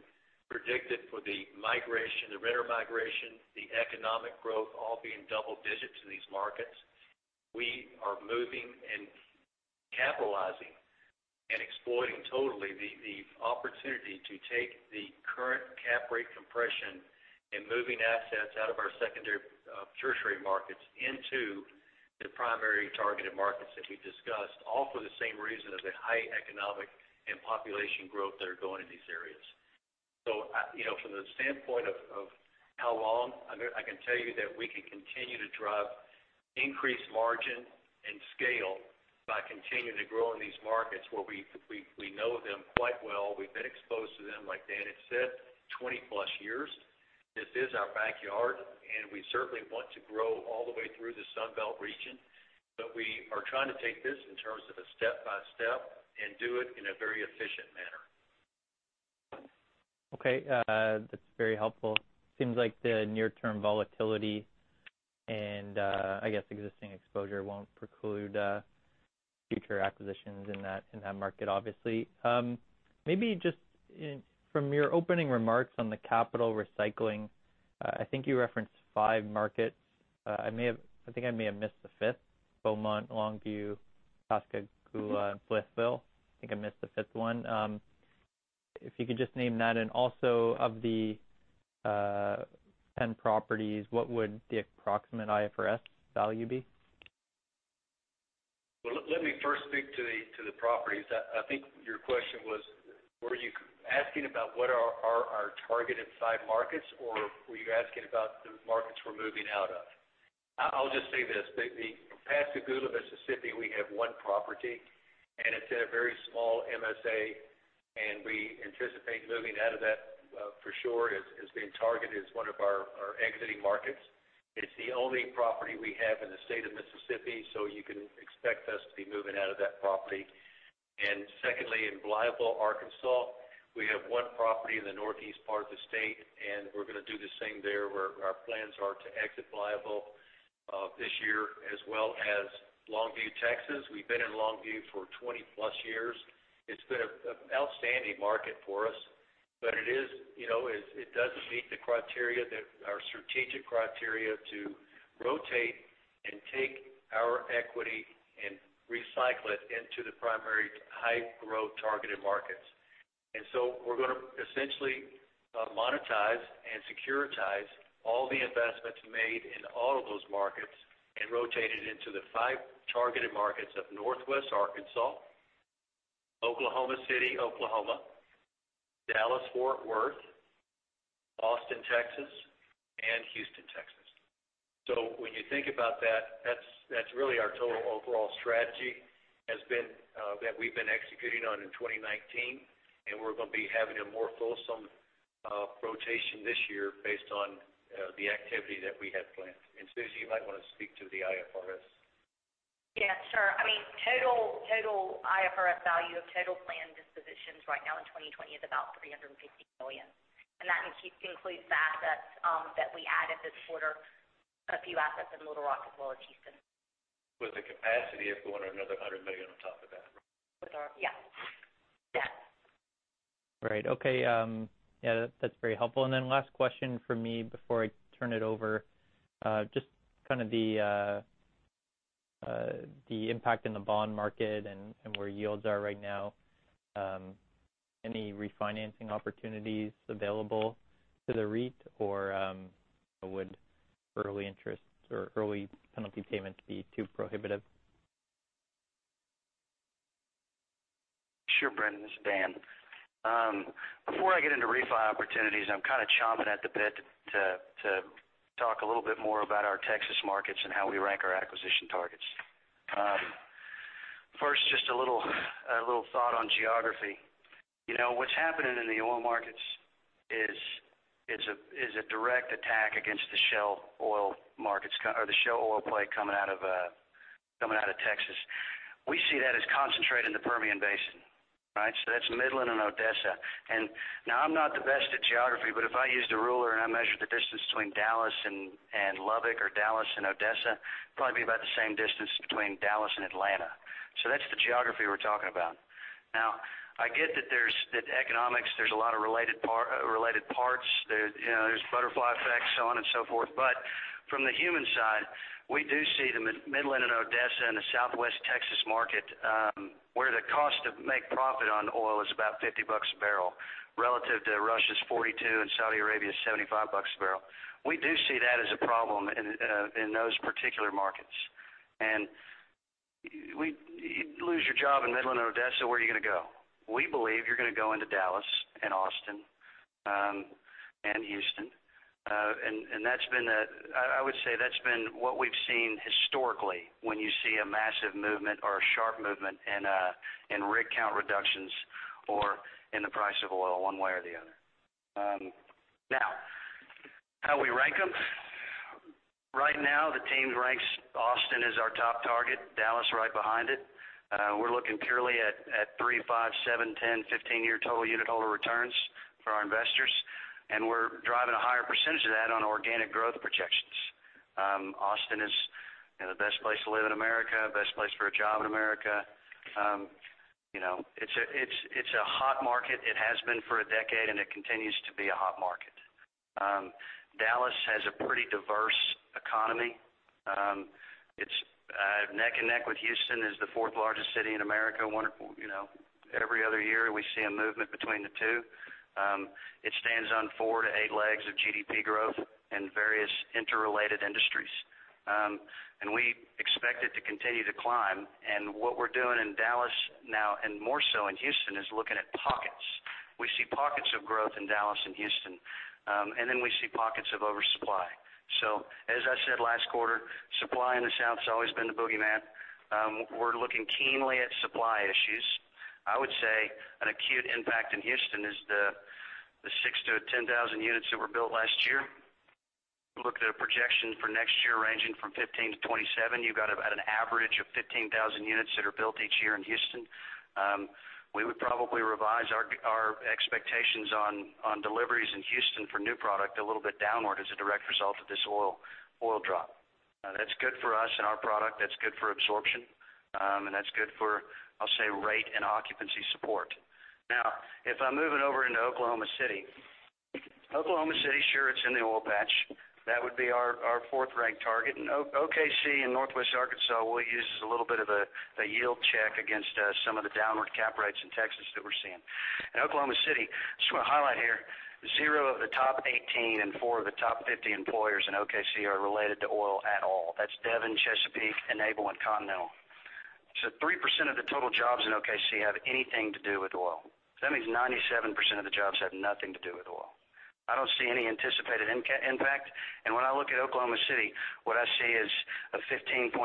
predicted for the renter migration, the economic growth, all being double digits in these markets. We are moving and capitalizing and exploiting totally the opportunity to take the current cap rate compression and moving assets out of our tertiary markets into the primary targeted markets that we've discussed, all for the same reason as the high economic and population growth that are going in these areas. From the standpoint of how long, I can tell you that we can continue to drive increased margin and scale by continuing to grow in these markets where we know them quite well. We've been exposed to them, like Dan had said, 20+ years. This is our backyard, and we certainly want to grow all the way through the Sun Belt region. We are trying to take this in terms of a step-by-step and do it in a very efficient manner. Okay. That's very helpful. Seems like the near-term volatility and, I guess existing exposure won't preclude future acquisitions in that market, obviously. Maybe just from your opening remarks on the capital recycling, I think you referenced five markets. I think I may have missed the fifth. Beaumont, Longview, Pascagoula, and Blytheville. I think I missed the fifth one. If you could just name that, also of the 10 properties, what would the approximate IFRS value be? Well, let me first speak to the properties. I think your question was, were you asking about what are our targeted side markets, or were you asking about the markets we're moving out of? I'll just say this, the Pascagoula, Mississippi, we have one property, and it's in a very small MSA, and we anticipate moving out of that for sure. It's being targeted as one of our exiting markets. It's the only property we have in the state of Mississippi, so you can expect us to be moving out of that property. Secondly, in Blytheville, Arkansas, we have one property in the northeast part of the state, and we're going to do the same there, where our plans are to exit Blytheville this year, as well as Longview, Texas. We've been in Longview for 20+ years. It's been an outstanding market for us. It doesn't meet our strategic criteria to rotate and take our equity and recycle it into the primary high-growth targeted markets. We're going to essentially monetize and securitize all the investments made in all of those markets and rotate it into the five targeted markets of Northwest Arkansas, Oklahoma City, Oklahoma, Dallas-Fort Worth, Austin, Texas, and Houston, Texas. When you think about that's really our total overall strategy that we've been executing on in 2019, and we're going to be having a more fulsome rotation this year based on the activity that we have planned. Susan, you might want to speak to the IFRS. Yeah, sure. Total IFRS value of total planned dispositions right now in 2020 is about $350 million. That includes the assets that we added this quarter, a few assets in Little Rock as well as Houston. With the capacity of going another $100 million on top of that. Yes. Great. Okay. Yeah, that's very helpful. Last question from me before I turn it over. Just kind of the impact in the bond market and where yields are right now. Any refinancing opportunities available to the REIT, or would early interest or early penalty payments be too prohibitive? Sure, Brendon, this is Dan. Before I get into refi opportunities, I'm kind of chomping at the bit to talk a little bit more about our Texas markets and how we rank our acquisition targets. First, just a little thought on geography. What's happening in the oil markets is a direct attack against the shale oil markets, or the shale oil play coming out of Texas. We see that as concentrated in the Permian Basin, right? That's Midland and Odessa. Now, I'm not the best at geography, but if I used a ruler and I measured the distance between Dallas and Lubbock or Dallas and Odessa, probably be about the same distance between Dallas and Atlanta. That's the geography we're talking about. Now, I get that there's economics, there's a lot of related parts, there's butterfly effects, so on and so forth. From the human side, we do see the Midland and Odessa and the Southwest Texas market, where the cost to make profit on oil is $50 a barrel relative to Russia's $42 and Saudi Arabia's $75 a barrel. We do see that as a problem in those particular markets. You lose your job in Midland and Odessa, where are you going to go? We believe you're going to go into Dallas and Austin, and Houston. I would say that's been what we've seen historically when you see a massive movement or a sharp movement in rig count reductions or in the price of oil, one way or the other. Now, how we rank them. Right now, the team ranks Austin as our top target, Dallas right behind it. We're looking purely at three, five, seven, 10, 15-year total unitholder returns for our investors. We're driving a higher percent of that on organic growth projections. Austin is the best place to live in America, best place for a job in America. It's a hot market. It has been for a decade, and it continues to be a hot market. Dallas has a pretty diverse economy. It's neck and neck with Houston as the fourth largest city in America. Every other year, we see a movement between the two. It stands on four to eight legs of GDP growth in various interrelated industries, and we expect it to continue to climb. What we're doing in Dallas now, and more so in Houston, is looking at pockets. We see pockets of growth in Dallas and Houston, and then we see pockets of oversupply. As I said last quarter, supply in the South has always been the boogeyman. We're looking keenly at supply issues. I would say an acute impact in Houston is the 6,000-10,000 units that were built last year. We looked at a projection for next year ranging from 15,000-27,000 units. You've got about an average of 15,000 units that are built each year in Houston. We would probably revise our expectations on deliveries in Houston for new product a little bit downward as a direct result of this oil drop. That's good for us and our product, that's good for absorption, and that's good for, I'll say, rate and occupancy support. If I'm moving over into Oklahoma City. Oklahoma City, sure, it's in the oil patch. That would be our fourth-ranked target, OKC in Northwest Arkansas we'll use as a little bit of a yield check against some of the downward cap rates in Texas that we're seeing. In Oklahoma City, I just want to highlight here, zero of the top 18 and four of the top 50 employers in OKC are related to oil at all. That's Devon, Chesapeake, Enable, and Continental. 3% of the total jobs in OKC have anything to do with oil. That means 97% of the jobs have nothing to do with oil. I don't see any anticipated impact, and when I look at Oklahoma City, what I see is a 15.7%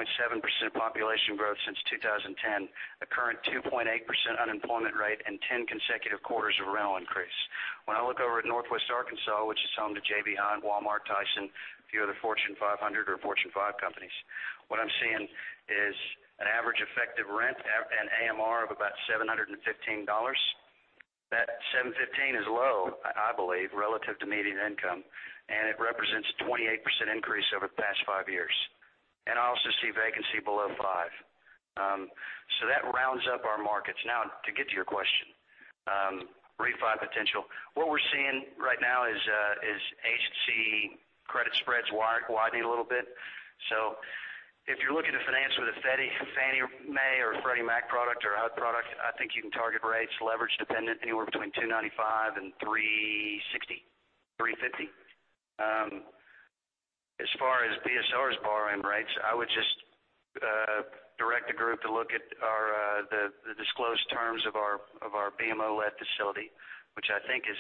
population growth since 2010, a current 2.8% unemployment rate, and 10 consecutive quarters of rental increase. When I look over at Northwest Arkansas, which is home to J.B. Hunt, Walmart, Tyson, a few other Fortune 500 or Fortune 5 companies. What I'm seeing is an average effective rent and AMR of about $715. That $715 is low, I believe, relative to median income, and it represents a 28% increase over the past five years. I also see vacancy below 5%. That rounds up our markets. Now, to get to your question, refi potential. What we're seeing right now is agency credit spreads widening a little bit. If you're looking to finance with a Fannie Mae or Freddie Mac product or HUD product, I think you can target rates leverage-dependent anywhere between 295 and 360, 350. As far as BSR's borrowing rates, I would just direct the group to look at the disclosed terms of our BMO-led facility, which I think is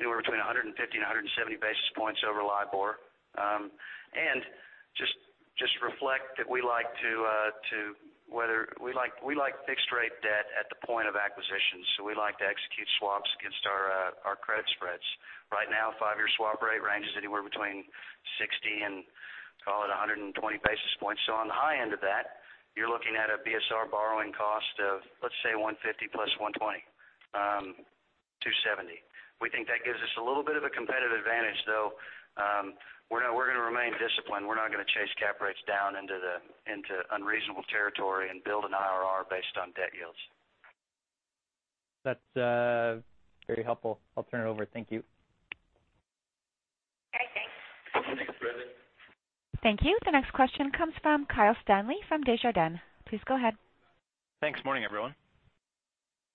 anywhere between 150 and 170 basis points over LIBOR. Just reflect that we like fixed-rate debt at the point of acquisition, so we like to execute swaps against our credit spreads. Right now, five-year swap rate ranges anywhere between 60 and call it 120 basis points. On the high end of that, you're looking at a BSR borrowing cost of, let's say, 150 plus 120, 270. We think that gives us a little bit of a competitive advantage, though we're going to remain disciplined. We're not going to chase cap rates down into unreasonable territory and build an IRR based on debt yields. That's very helpful. I'll turn it over. Thank you. Hey, thanks. Thanks, Brendon. Thank you. The next question comes from Kyle Stanley from Desjardins. Please go ahead. Thanks. Morning, everyone.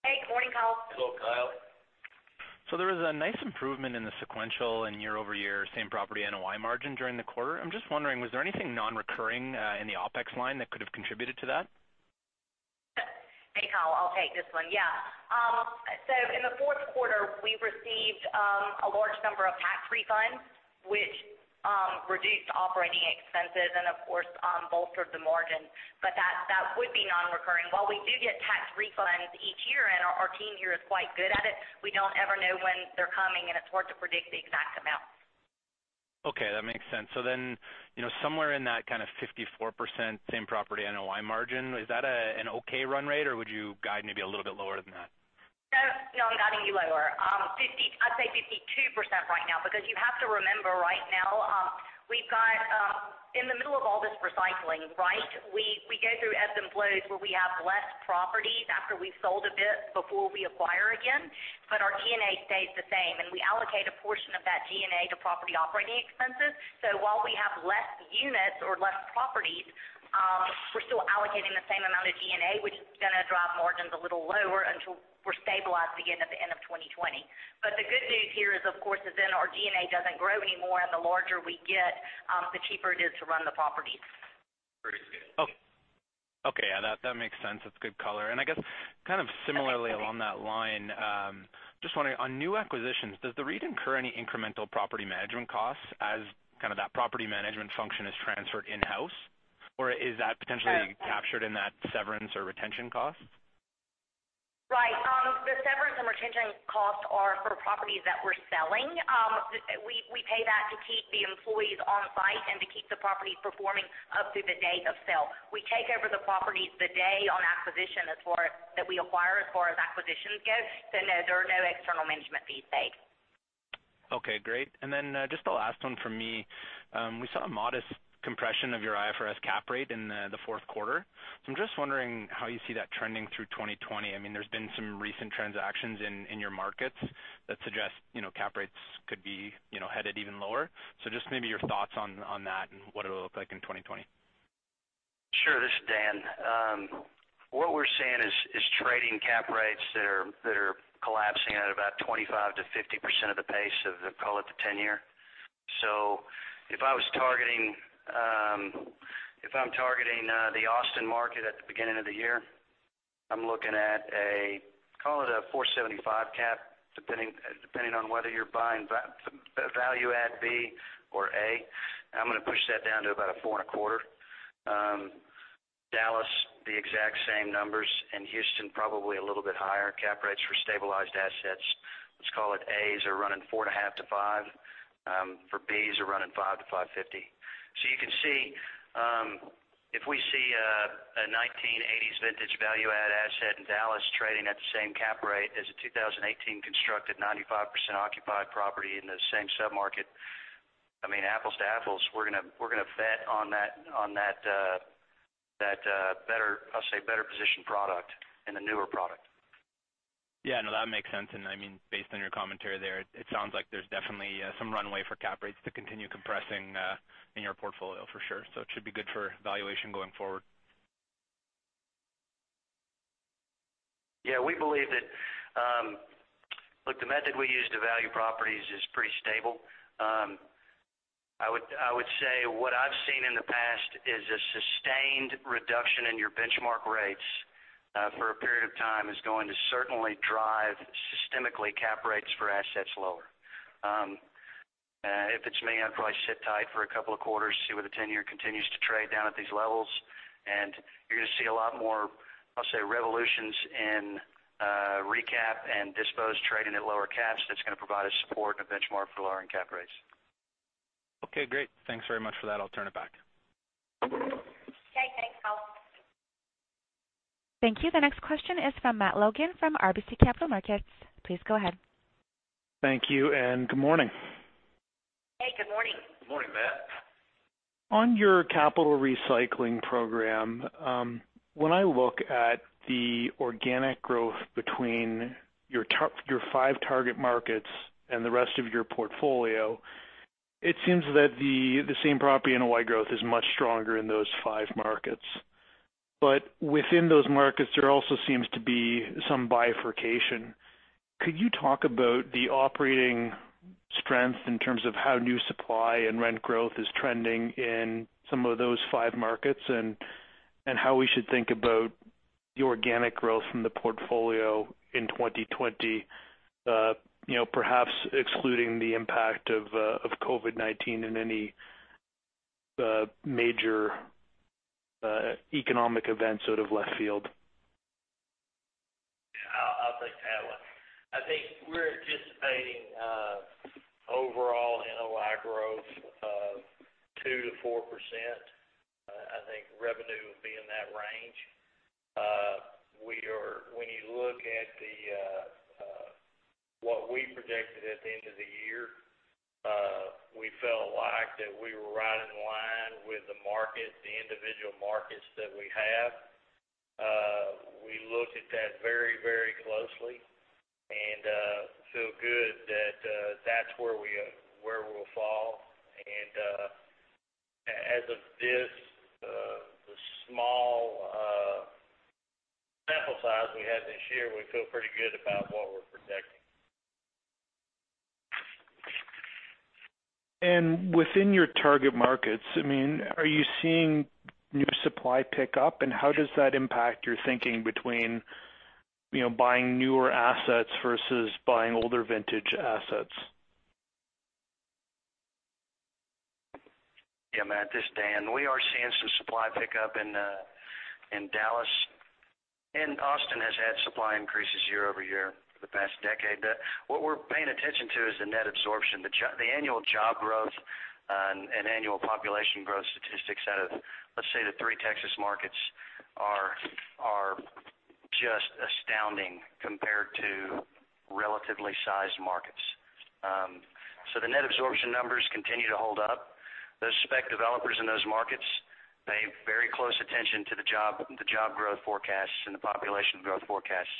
Hey, good morning, Kyle. Hello, Kyle. There was a nice improvement in the sequential and year-over-year same-property NOI margin during the quarter. I'm just wondering, was there anything non-recurring in the OpEx line that could have contributed to that? Hey, Kyle, I'll take this one. Yeah. In the fourth quarter, we received a large number of tax refunds, which reduced operating expenses and of course, bolstered the margin. That would be non-recurring. While we do get tax refunds each year, and our team here is quite good at it, we don't ever know when they're coming, and it's hard to predict the exact amount. Okay, that makes sense. Somewhere in that kind of 54% same-property NOI margin, is that an okay run rate, or would you guide maybe a little bit lower than that? I think you lower. I'd say 52% right now, because you have to remember right now, we've got in the middle of all this recycling, right? We go through ebbs and flows where we have less properties after we've sold a bit before we acquire again, but our G&A stays the same, and we allocate a portion of that G&A to property operating expenses. While we have less units or less properties, we're still allocating the same amount of G&A, which is going to drive margins a little lower until we're stabilized again at the end of 2020. The good news here is, of course, is then our G&A doesn't grow anymore, and the larger we get, the cheaper it is to run the properties. Pretty scale. Okay. Yeah, that makes sense. That's good color. I guess similarly along that line, just wondering, on new acquisitions, does the REIT incur any incremental property management costs as that property management function is transferred in-house? Or is that potentially captured in that severance or retention cost? Right. The severance and retention costs are for properties that we're selling. We pay that to keep the employees on site and to keep the properties performing up to the date of sale. We take over the properties the day on acquisition as far as that we acquire, as far as acquisitions go, no, there are no external management fees paid. Okay, great. Just the last one from me. We saw a modest compression of your IFRS cap rate in the fourth quarter. I'm just wondering how you see that trending through 2020. There's been some recent transactions in your markets that suggest cap rates could be headed even lower. Just maybe your thoughts on that and what it'll look like in 2020. Sure. This is Dan. What we're seeing is trading cap rates that are collapsing at about 25% to 50% of the pace of, call it, the 10-year. If I'm targeting the Austin market at the beginning of the year, I'm looking at a, call it a 4.75% cap, depending on whether you're buying value-add B or A, and I'm going to push that down to about a 4.25%. Dallas, the exact same numbers, and Houston probably a little bit higher. Cap rates for stabilized assets, let's call it As, are running 4.5%-5%. For Bs, are running 5%-5.5%. You can see, if we see a 1980s vintage value add asset in Dallas trading at the same cap rate as a 2018 constructed 95% occupied property in the same sub-market, apples to apples, we're going to vet on that better positioned product and the newer product. Yeah, no, that makes sense. Based on your commentary there, it sounds like there's definitely some runway for cap rates to continue compressing in your portfolio for sure. It should be good for valuation going forward. Yeah, we believe that. Look, the method we use to value properties is pretty stable. I would say what I've seen in the past is a sustained reduction in your benchmark rates for a period of time is going to certainly drive systemically cap rates for assets lower. If it's me, I'd probably sit tight for a couple of quarters, see where the 10-year continues to trade down at these levels, and you're going to see a lot more, I'll say, revolutions in recap and dispose trading at lower caps that's going to provide us support and a benchmark for lowering cap rates. Okay, great. Thanks very much for that. I'll turn it back. Okay. Thanks, Kyle. Thank you. The next question is from Matt Logan from RBC Capital Markets. Please go ahead. Thank you, and good morning. Hey, good morning. Good morning, Matt. On your capital recycling program, when I look at the organic growth between your five target markets and the rest of your portfolio, it seems that the same property NOI growth is much stronger in those five markets. Within those markets, there also seems to be some bifurcation. Could you talk about the operating strength in terms of how new supply and rent growth is trending in some of those five markets, and how we should think about the organic growth from the portfolio in 2020, perhaps excluding the impact of COVID-19 and any major economic events out of left field? I'll take that one. I think we're anticipating overall NOI growth of 2%-4%. I think revenue will be in that range. When you look at what we projected at the end of the year, we felt like that we were right in line with the market, the individual markets that we have. We looked at that very closely and feel good that that's where we'll fall. As of this, the small sample size we had this year, we feel pretty good about what we're projecting. Within your target markets, are you seeing new supply pick up, and how does that impact your thinking between buying newer assets versus buying older vintage assets? Yeah, Matt, this is Dan. We are seeing some supply pick up in Dallas. Austin has had supply increases year-over-year for the past decade. What we're paying attention to is the net absorption, the annual job growth, and annual population growth statistics out of, let's say, the three Texas markets, are just astounding compared to relatively sized markets. The net absorption numbers continue to hold up. Those spec developers in those markets pay very close attention to the job growth forecasts and the population growth forecasts.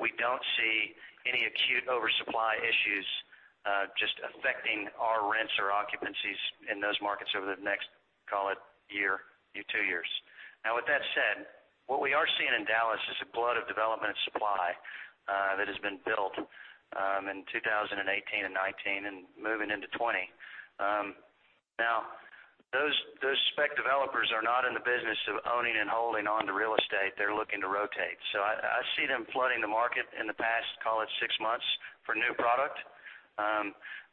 We don't see any acute oversupply issues just affecting our rents or occupancies in those markets over the next, call it, year, or two years. Now, with that said, what we are seeing in Dallas is a glut of development and supply that has been built in 2018 and 2019 and moving into 2020. Those spec developers are not in the business of owning and holding onto real estate. They're looking to rotate. I see them flooding the market in the past, call it, six months, for new product.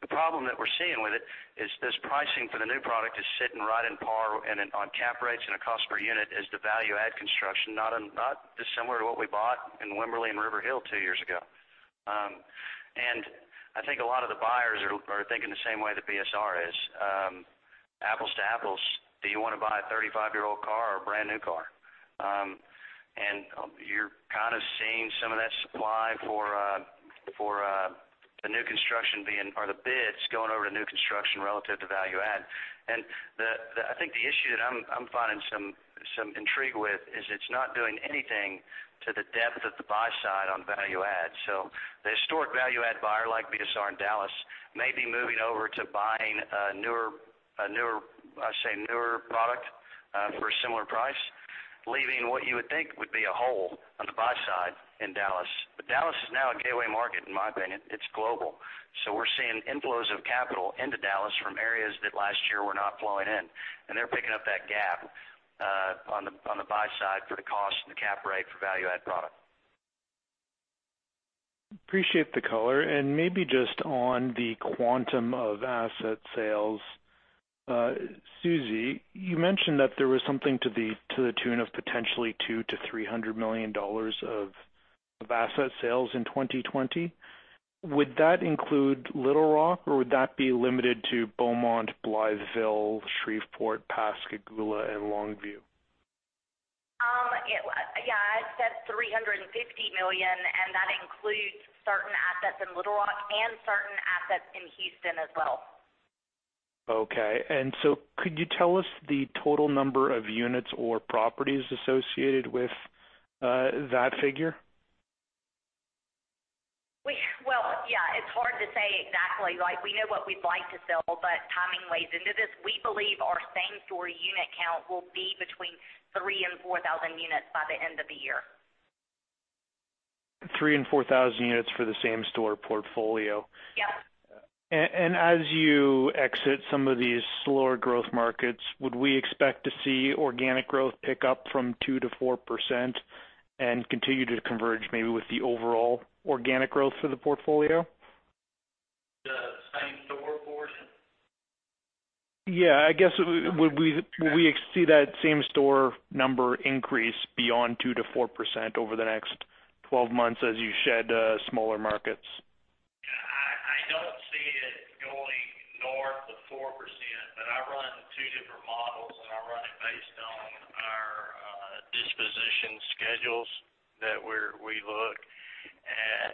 The problem that we're seeing with it is this pricing for the new product is sitting right in par on cap rates and a cost per unit as the value-add construction, not dissimilar to what we bought in Wimberley and Riverhill two years ago. I think a lot of the buyers are thinking the same way that BSR is. Apples to apples, do you want to buy a 35-year-old car or a brand new car? You're kind of seeing some of that supply for the new construction being, are the bids going over to new construction relative to value add. I think the issue that I'm finding some intrigue with is it's not doing anything to the depth of the buy side on value add. The historic value add buyer, like BSR in Dallas, may be moving over to buying a newer, I'll say, newer product for a similar price, leaving what you would think would be a hole on the buy side in Dallas. Dallas is now a gateway market, in my opinion. It's global. We're seeing inflows of capital into Dallas from areas that last year were not flowing in. They're picking up that gap on the buy side for the cost and the cap rate for value add product. Appreciate the color. Maybe just on the quantum of asset sales. Susan, you mentioned that there was something to the tune of potentially $200 million-$300 million of asset sales in 2020. Would that include Little Rock, or would that be limited to Beaumont, Blytheville, Shreveport, Pascagoula, and Longview? Yeah, I said $350 million, and that includes certain assets in Little Rock and certain assets in Houston as well. Okay. Could you tell us the total number of units or properties associated with that figure? Well, yeah. It's hard to say exactly. We know what we'd like to sell, but timing weighs into this. We believe our same-store unit count will be between 3,000 and 4,000 units by the end of the year. 3,000 and 4,000 units for the same-store portfolio. Yep. As you exit some of these slower growth markets, would we expect to see organic growth pick up from 2% to 4% and continue to converge maybe with the overall organic growth for the portfolio? The same-store portion? Yeah, I guess, would we see that same-store number increase beyond 2% to 4% over the next 12 months as you shed smaller markets? I don't see it going north of 4%, but I run two different models, and I run it based on our disposition schedules that we look at.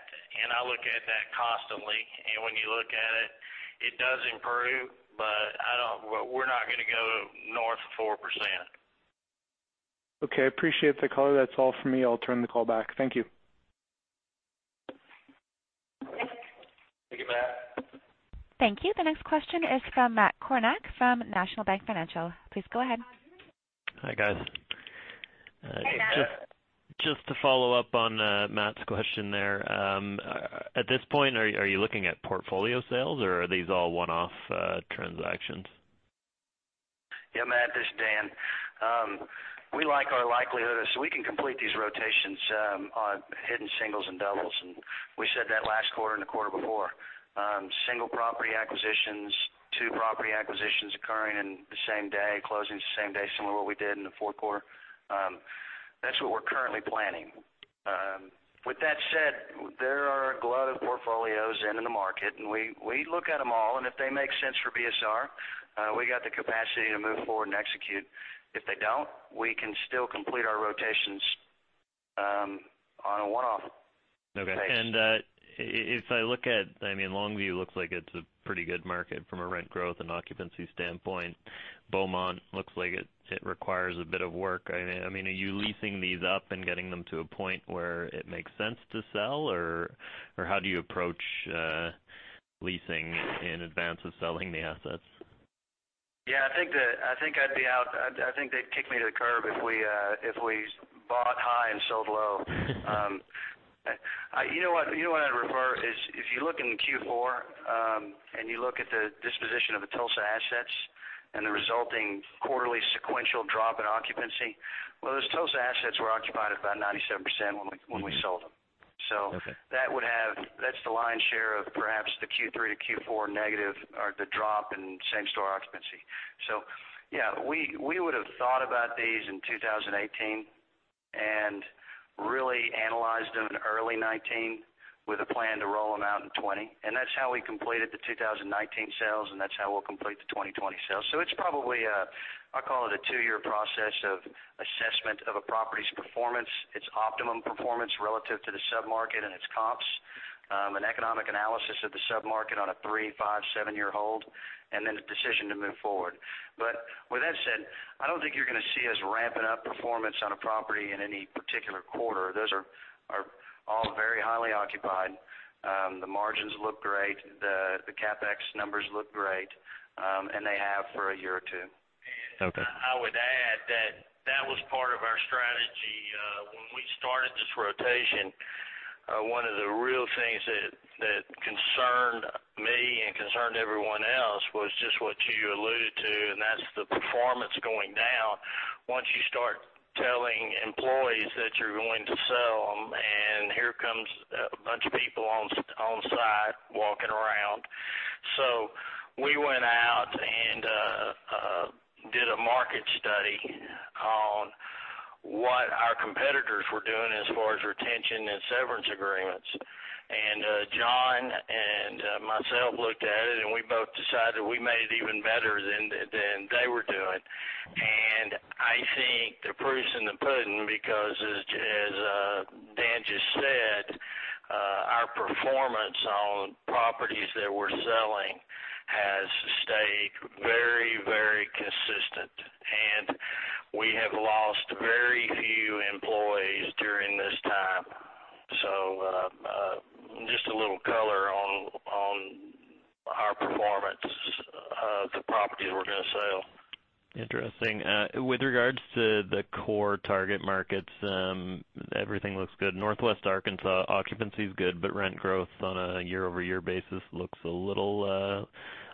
I look at that constantly. When you look at it does improve, but we're not gonna go north of 4%. Okay. Appreciate the color. That's all for me. I'll turn the call back. Thank you. Thank you, Matt. Thank you. The next question is from Matt Kornack from National Bank Financial. Please go ahead. Hi, guys. Hey, Matt. Just to follow up on Matt's question there. At this point, are you looking at portfolio sales, or are these all one-off transactions? Matt, this is Dan. We like our likelihood so we can complete these rotations on hitting singles and doubles, and we said that last quarter and the quarter before. Single property acquisitions, two property acquisitions occurring in the same day, closing the same day, similar to what we did in the fourth quarter. That's what we're currently planning. With that said, there are a glut of portfolios into the market, and we look at them all, and if they make sense for BSR, we got the capacity to move forward and execute. If they don't, we can still complete our rotations on a one-off basis. Okay. If I look at Longview looks like it's a pretty good market from a rent growth and occupancy standpoint. Beaumont looks like it requires a bit of work. Are you leasing these up and getting them to a point where it makes sense to sell, or how do you approach leasing in advance of selling the assets? Yeah, I think they'd kick me to the curb if we bought high and sold low. You know what I'd refer is if you look in Q4, and you look at the disposition of the Tulsa assets and the resulting quarterly sequential drop in occupancy, well, those Tulsa assets were occupied at about 97% when we sold them. Okay. That's the lion's share of perhaps the Q3 to Q4 negative or the drop in same-store occupancy. We would've thought about these in 2018. Really analyzed them in early 2019 with a plan to roll them out in 2020. That's how we completed the 2019 sales, and that's how we'll complete the 2020 sales. It's probably, I call it a two-year process of assessment of a property's performance, its optimum performance relative to the sub-market and its comps, an economic analysis of the sub-market on a three, five, seven-year hold, and then the decision to move forward. With that said, I don't think you're going to see us ramping up performance on a property in any particular quarter. Those are all very highly occupied. The margins look great. The CapEx numbers look great, and they have for a year or two. Okay. I would add that that was part of our strategy. When we started this rotation, one of the real things that concerned me and concerned everyone else was just what you alluded to, and that's the performance going down once you start telling employees that you're going to sell them, and here comes a bunch of people on-site walking around. We went out and did a market study on what our competitors were doing as far as retention and severance agreements. John and myself looked at it, and we both decided we made it even better than they were doing. I think the proof's in the pudding because as Dan just said, our performance on properties that we're selling has stayed very consistent, and we have lost very few employees during this time. Just a little color on our performance of the properties we're going to sell. Interesting. With regards to the core target markets, everything looks good. Northwest Arkansas, occupancy is good, but rent growth on a year-over-year basis looks a little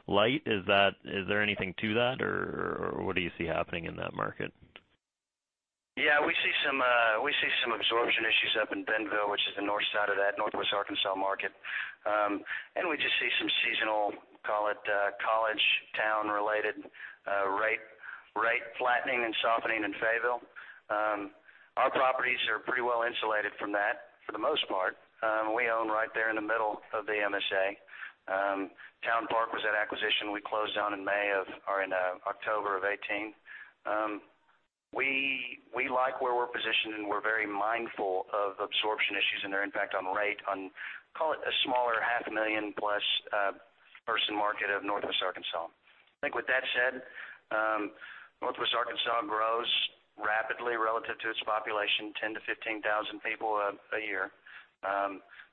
light. Is there anything to that, or what do you see happening in that market? Yeah, we see some absorption issues up in Bentonville, which is the north side of that Northwest Arkansas market. We just see some seasonal, call it college town related rate flattening and softening in Fayetteville. Our properties are pretty well insulated from that, for the most part. We own right there in the middle of the MSA. Towne Park was the acquisition we closed on in October of 2018. We like where we're positioned, and we're very mindful of absorption issues and their impact on rate on, call it a smaller half a million plus person market of Northwest Arkansas. I think with that said, Northwest Arkansas grows rapidly relative to its population, 10,000 to 15,000 people a year.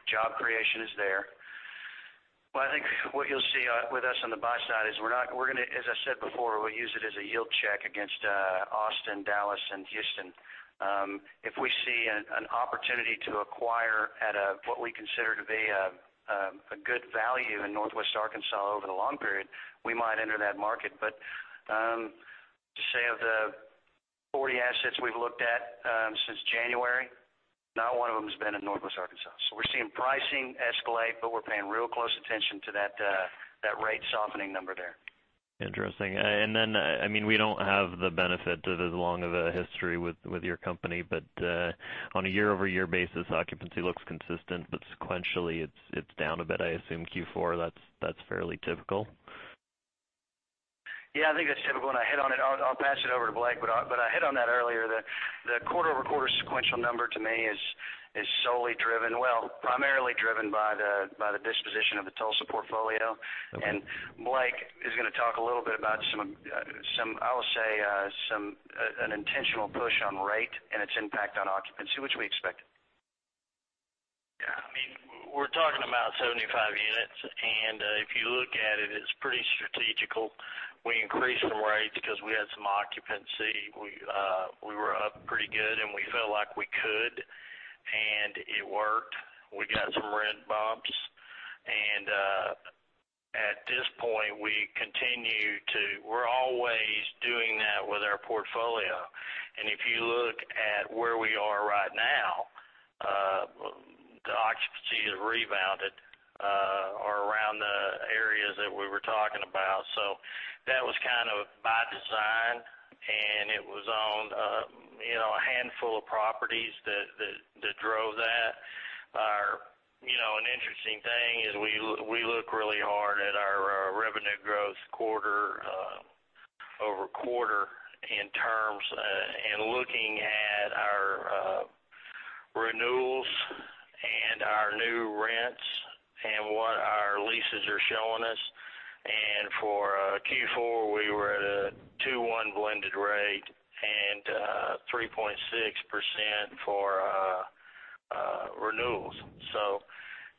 Job creation is there. I think what you'll see with us on the buy side is, as I said before, we'll use it as a yield check against Austin, Dallas, and Houston. If we see an opportunity to acquire at what we consider to be a good value in Northwest Arkansas over the long period, we might enter that market. To say of the 40 assets we've looked at since January, not one of them has been in Northwest Arkansas. We're seeing pricing escalate, but we're paying real close attention to that rate softening number there. Interesting. Then, we don't have the benefit of as long of a history with your company. On a year-over-year basis, occupancy looks consistent, but sequentially it's down a bit. I assume Q4, that's fairly typical. Yeah, I think that's typical, and I hit on it. I'll pass it over to Blake, but I hit on that earlier. The quarter-over-quarter sequential number to me is solely driven, well, primarily driven by the disposition of the Tulsa portfolio. Okay. Blake is going to talk a little bit about some, I will say an intentional push on rate and its impact on occupancy, which we expected. Yeah, we're talking about 75 units, and if you look at it's pretty strategic. We increased some rates because we had some occupancy. We were up pretty good, and we felt like we could, and it worked. We got some rent bumps, and at this point, we're always doing that with our portfolio. If you look at where we are right now, the occupancy has rebounded or around the areas that we were talking about. That was kind of by design, and it was on a handful of properties that drove that. An interesting thing is we look really hard at our revenue growth quarter-over-quarter in terms and looking at our renewals and our new rents and what our leases are showing us. For Q4, we were at a 2.1 blended rate and 3.6% for renewals.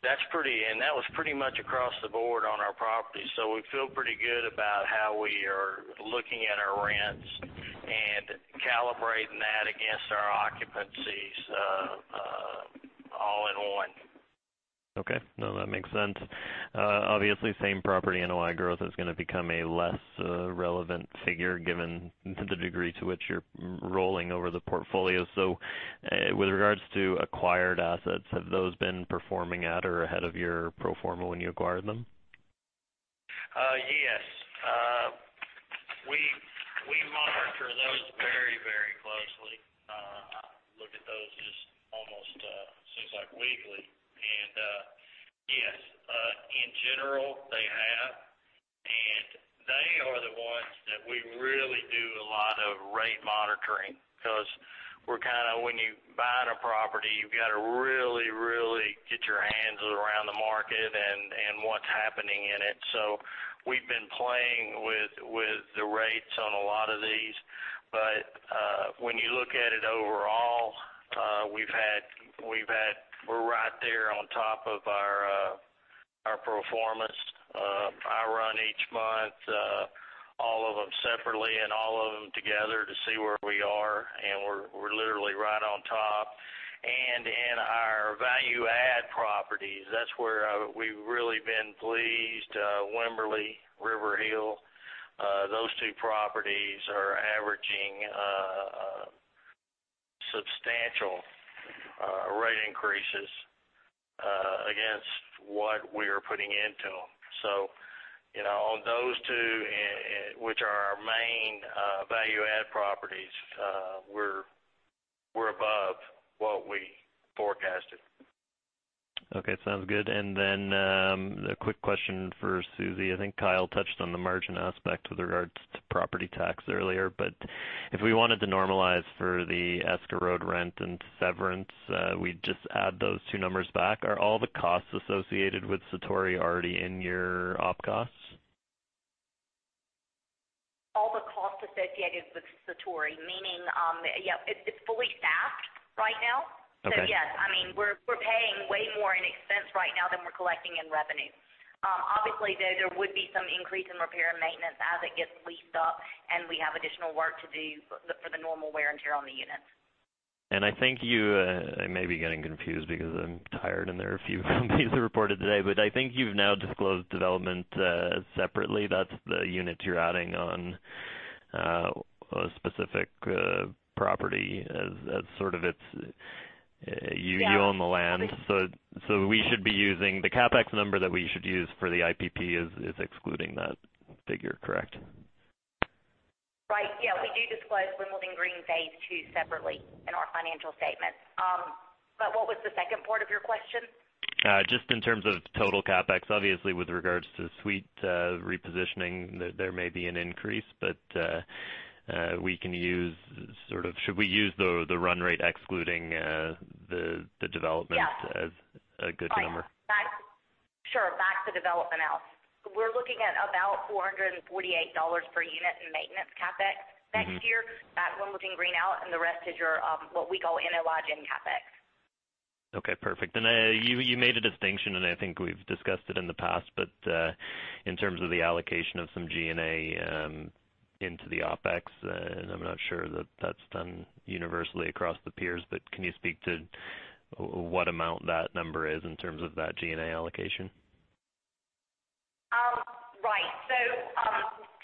That was pretty much across the board on our properties. We feel pretty good about how we are looking at our rents and calibrating that against our occupancies all in one. Okay. No, that makes sense. Same property NOI growth is going to become a less relevant figure given the degree to which you're rolling over the portfolio. With regards to acquired assets, have those been performing at or ahead of your pro forma when you acquired them? We monitor those very closely. Look at those just almost seems like weekly. Yes, in general, they have, and they are the ones that we really do a lot of rate monitoring, because when you're buying a property, you've got to really get your hands around the market and what's happening in it. We've been playing with the rates on a lot of these. When you look at it overall, we're right there on top of our performance. I run each month, all of them separately and all of them together to see where we are, and we're literally right on top. In our value add properties, that's where we've really been pleased. Wimberly, Riverhill, those two properties are averaging substantial rate increases against what we are putting into them. On those two, which are our main value add properties, we're above what we forecasted. Okay. Sounds good. A quick question for Susan. I think Kyle touched on the margin aspect with regards to property tax earlier, but if we wanted to normalize for the escrowed rent and severance, we'd just add those two numbers back. Are all the costs associated with Satori already in your op costs? All the costs associated with Satori, meaning, it's fully staffed right now. Okay. Yes, we're paying way more in expense right now than we're collecting in revenue. Obviously, though, there would be some increase in repair and maintenance as it gets leased up and we have additional work to do for the normal wear and tear on the units. I think you may be getting confused because I'm tired, and there are a few companies that reported today, but I think you've now disclosed development separately. That's the units you're adding on a specific property as sort of its. Yeah. You own the land. The CapEx number that we should use for the IPP is excluding that figure, correct? Right. Yeah. We do disclose Wimbledon Green phase II separately in our financial statements. What was the second part of your question? Just in terms of total CapEx, obviously, with regards to suite repositioning, there may be an increase, but should we use the run rate excluding the development- Yeah as a good number? Sure. Back the development out. We're looking at about $448 per unit in maintenance CapEx next year. That's Wimbledon Green out, and the rest is your, what we call inner lodging CapEx. Okay, perfect. You made a distinction, and I think we've discussed it in the past, but in terms of the allocation of some G&A into the OpEx, and I'm not sure that that's done universally across the peers, but can you speak to what amount that number is in terms of that G&A allocation? Right.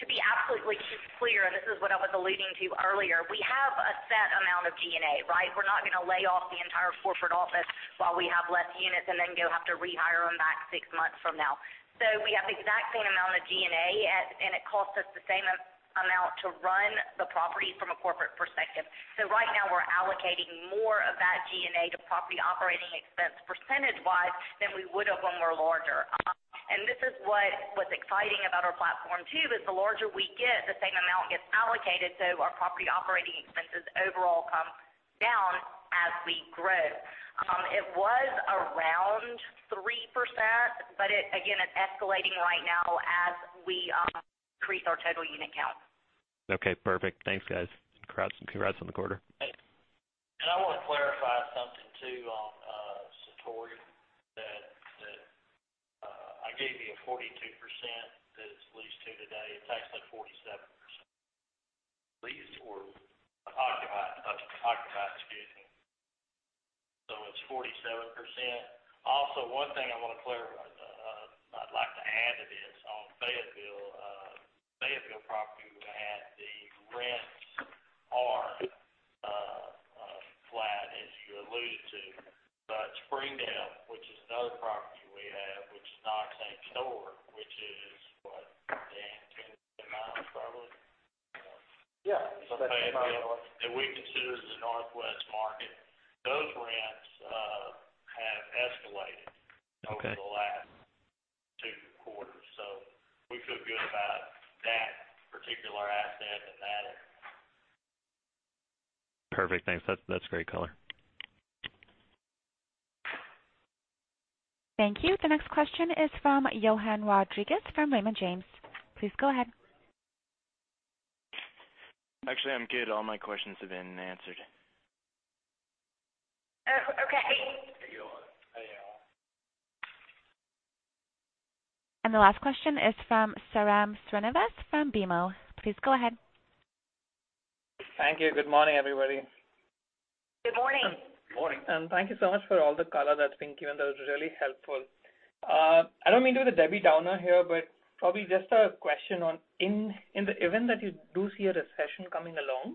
To be absolutely clear, and this is what I was alluding to earlier, we have a set amount of G&A, right? We're not going to lay off the entire corporate office while we have less units, and then go have to rehire them back six months from now. We have the exact same amount of G&A, and it costs us the same amount to run the property from a corporate perspective. Right now, we're allocating more of that G&A to property operating expense percentage wise than we would've when we were larger. This is what's exciting about our platform too, is the larger we get, the same amount gets allocated, so our property operating expenses overall come down as we grow. It was around 3%, but again, it's escalating right now as we increase our total unit count. Okay, perfect. Thanks, guys. Congrats on the quarter. I want to clarify something too on Satori, that I gave you a 42% that it's leased to today. It's actually 47% leased or occupied. Excuse me. It's 47%. One thing I'd like to add to this on Fayetteville. Fayetteville property at the rents are flat, as you alluded to. Springdale, which is another property we have, which is [stock and store], which is what, Dan, 10 to nine probably? Yeah. We consider the Northwest market. Those rents have escalated. Okay Over the last two quarters. We feel good about that particular asset and that'll. Perfect. Thanks. That's great color. Thank you. The next question is from Johann Rodrigues from Raymond James. Please go ahead. Actually, I'm good. All my questions have been answered. Okay. There you are. The last question is from Sairam Srinivas from BMO. Please go ahead. Thank you. Good morning, everybody. Good morning. Morning. Thank you so much for all the color that's been given. That was really helpful. I don't mean to be the Debbie Downer here, but probably just a question on in the event that you do see a recession coming along.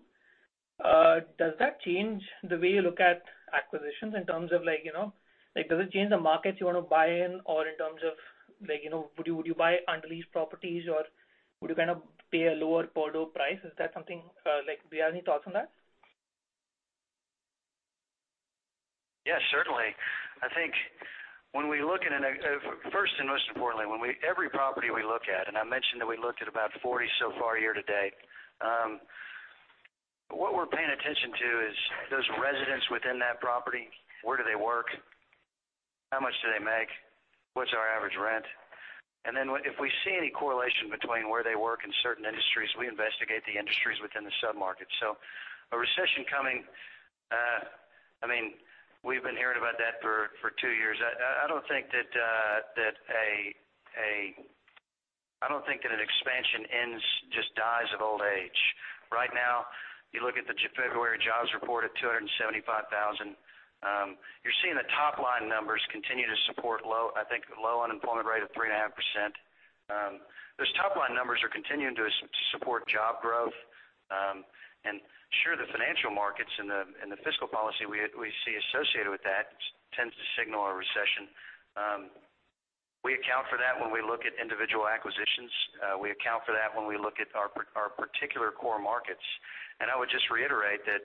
Does that change the way you look at acquisitions in terms of, does it change the markets you want to buy in? Or in terms of, would you buy under leased properties, or would you kind of pay a lower per door price? Is that something, do you have any thoughts on that? Yes, certainly. First, and most importantly, every property we look at, and I mentioned that we looked at about 40 so far year to date, what we're paying attention to is those residents within that property, where do they work? How much do they make? What's our average rent? If we see any correlation between where they work in certain industries, we investigate the industries within the sub-market. A recession coming, we've been hearing about that for two years. I don't think that an expansion just dies of old age. Right now, you look at the February jobs report at 275,000. You're seeing the top-line numbers continue to support, I think, the low unemployment rate of 3.5%. Those top-line numbers are continuing to support job growth. Sure, the financial markets and the fiscal policy we see associated with that tends to signal a recession. We account for that when we look at individual acquisitions. We account for that when we look at our particular core markets. I would just reiterate that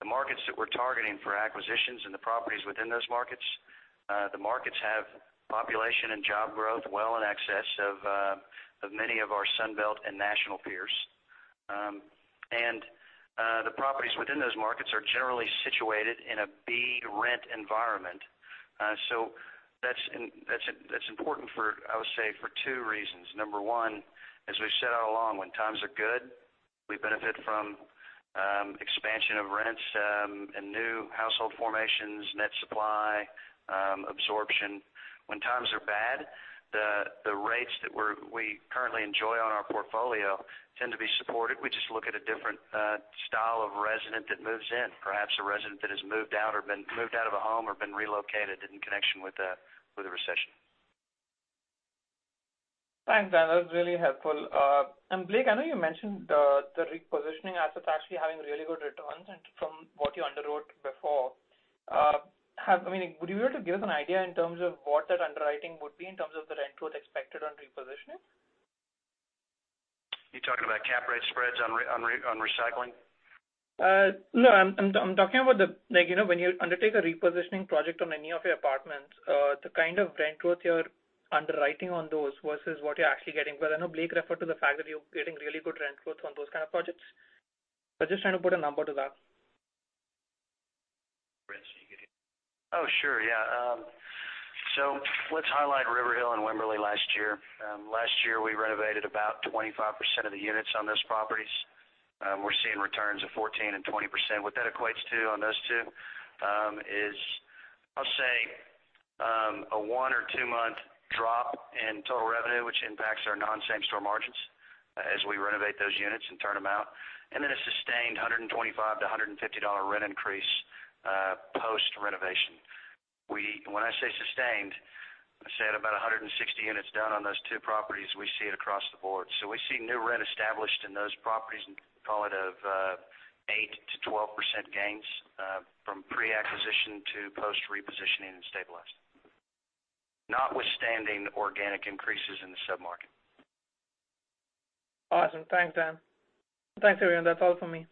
the markets that we're targeting for acquisitions and the properties within those markets, the markets have population and job growth well in excess of many of our Sun Belt and national peers. The properties within those markets are generally situated in a B rent environment. That's important for, I would say, for two reasons. Number one, as we've said all along, when times are good, we benefit from expansion of rents and new household formations, net supply, absorption. When times are bad, the rates that we currently enjoy on our portfolio tend to be supported. We just look at a different style of resident that moves in, perhaps a resident that has moved out of a home or been relocated in connection with the recession. Thanks, Dan. That was really helpful. Blake, I know you mentioned the repositioning assets actually having really good returns from what you underwrote before. Would you be able to give us an idea in terms of what that underwriting would be in terms of the rent growth expected on repositioning? You're talking about cap rate spreads on recycling? No, I'm talking about when you undertake a repositioning project on any of your apartments, the kind of rent growth you're underwriting on those versus what you're actually getting. I know Blake referred to the fact that you're getting really good rent growth on those kind of projects. I'm just trying to put a number to that. Sure, yeah. Let's highlight Riverhill and Wimberley last year. Last year, we renovated about 25% of the units on those properties. We're seeing returns of 14% and 20%. What that equates to on those two is, I'll say, a one or two-month drop in total revenue, which impacts our non-same store margins as we renovate those units and turn them out. A sustained $125-$150 rent increase, post-renovation. When I say sustained, I said about 160 units done on those two properties, we see it across the board. We see new rent established in those properties, and call it of 8%-12% gains from pre-acquisition to post-repositioning and stabilized. Notwithstanding organic increases in the sub-market. Awesome. Thanks, Dan. Thanks, everyone. That's all from me.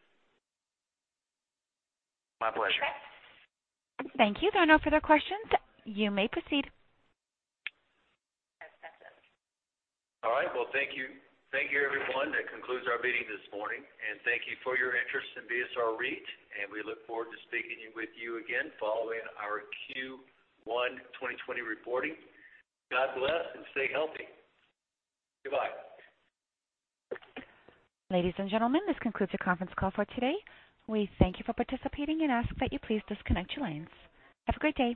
My pleasure. Thank you. There are no further questions. You may proceed. All right. Well, thank you, everyone. That concludes our meeting this morning. Thank you for your interest in BSR REIT. We look forward to speaking with you again following our Q1 2020 reporting. God bless. Stay healthy. Goodbye. Ladies and gentlemen, this concludes your conference call for today. We thank you for participating and ask that you please disconnect your lines. Have a great day.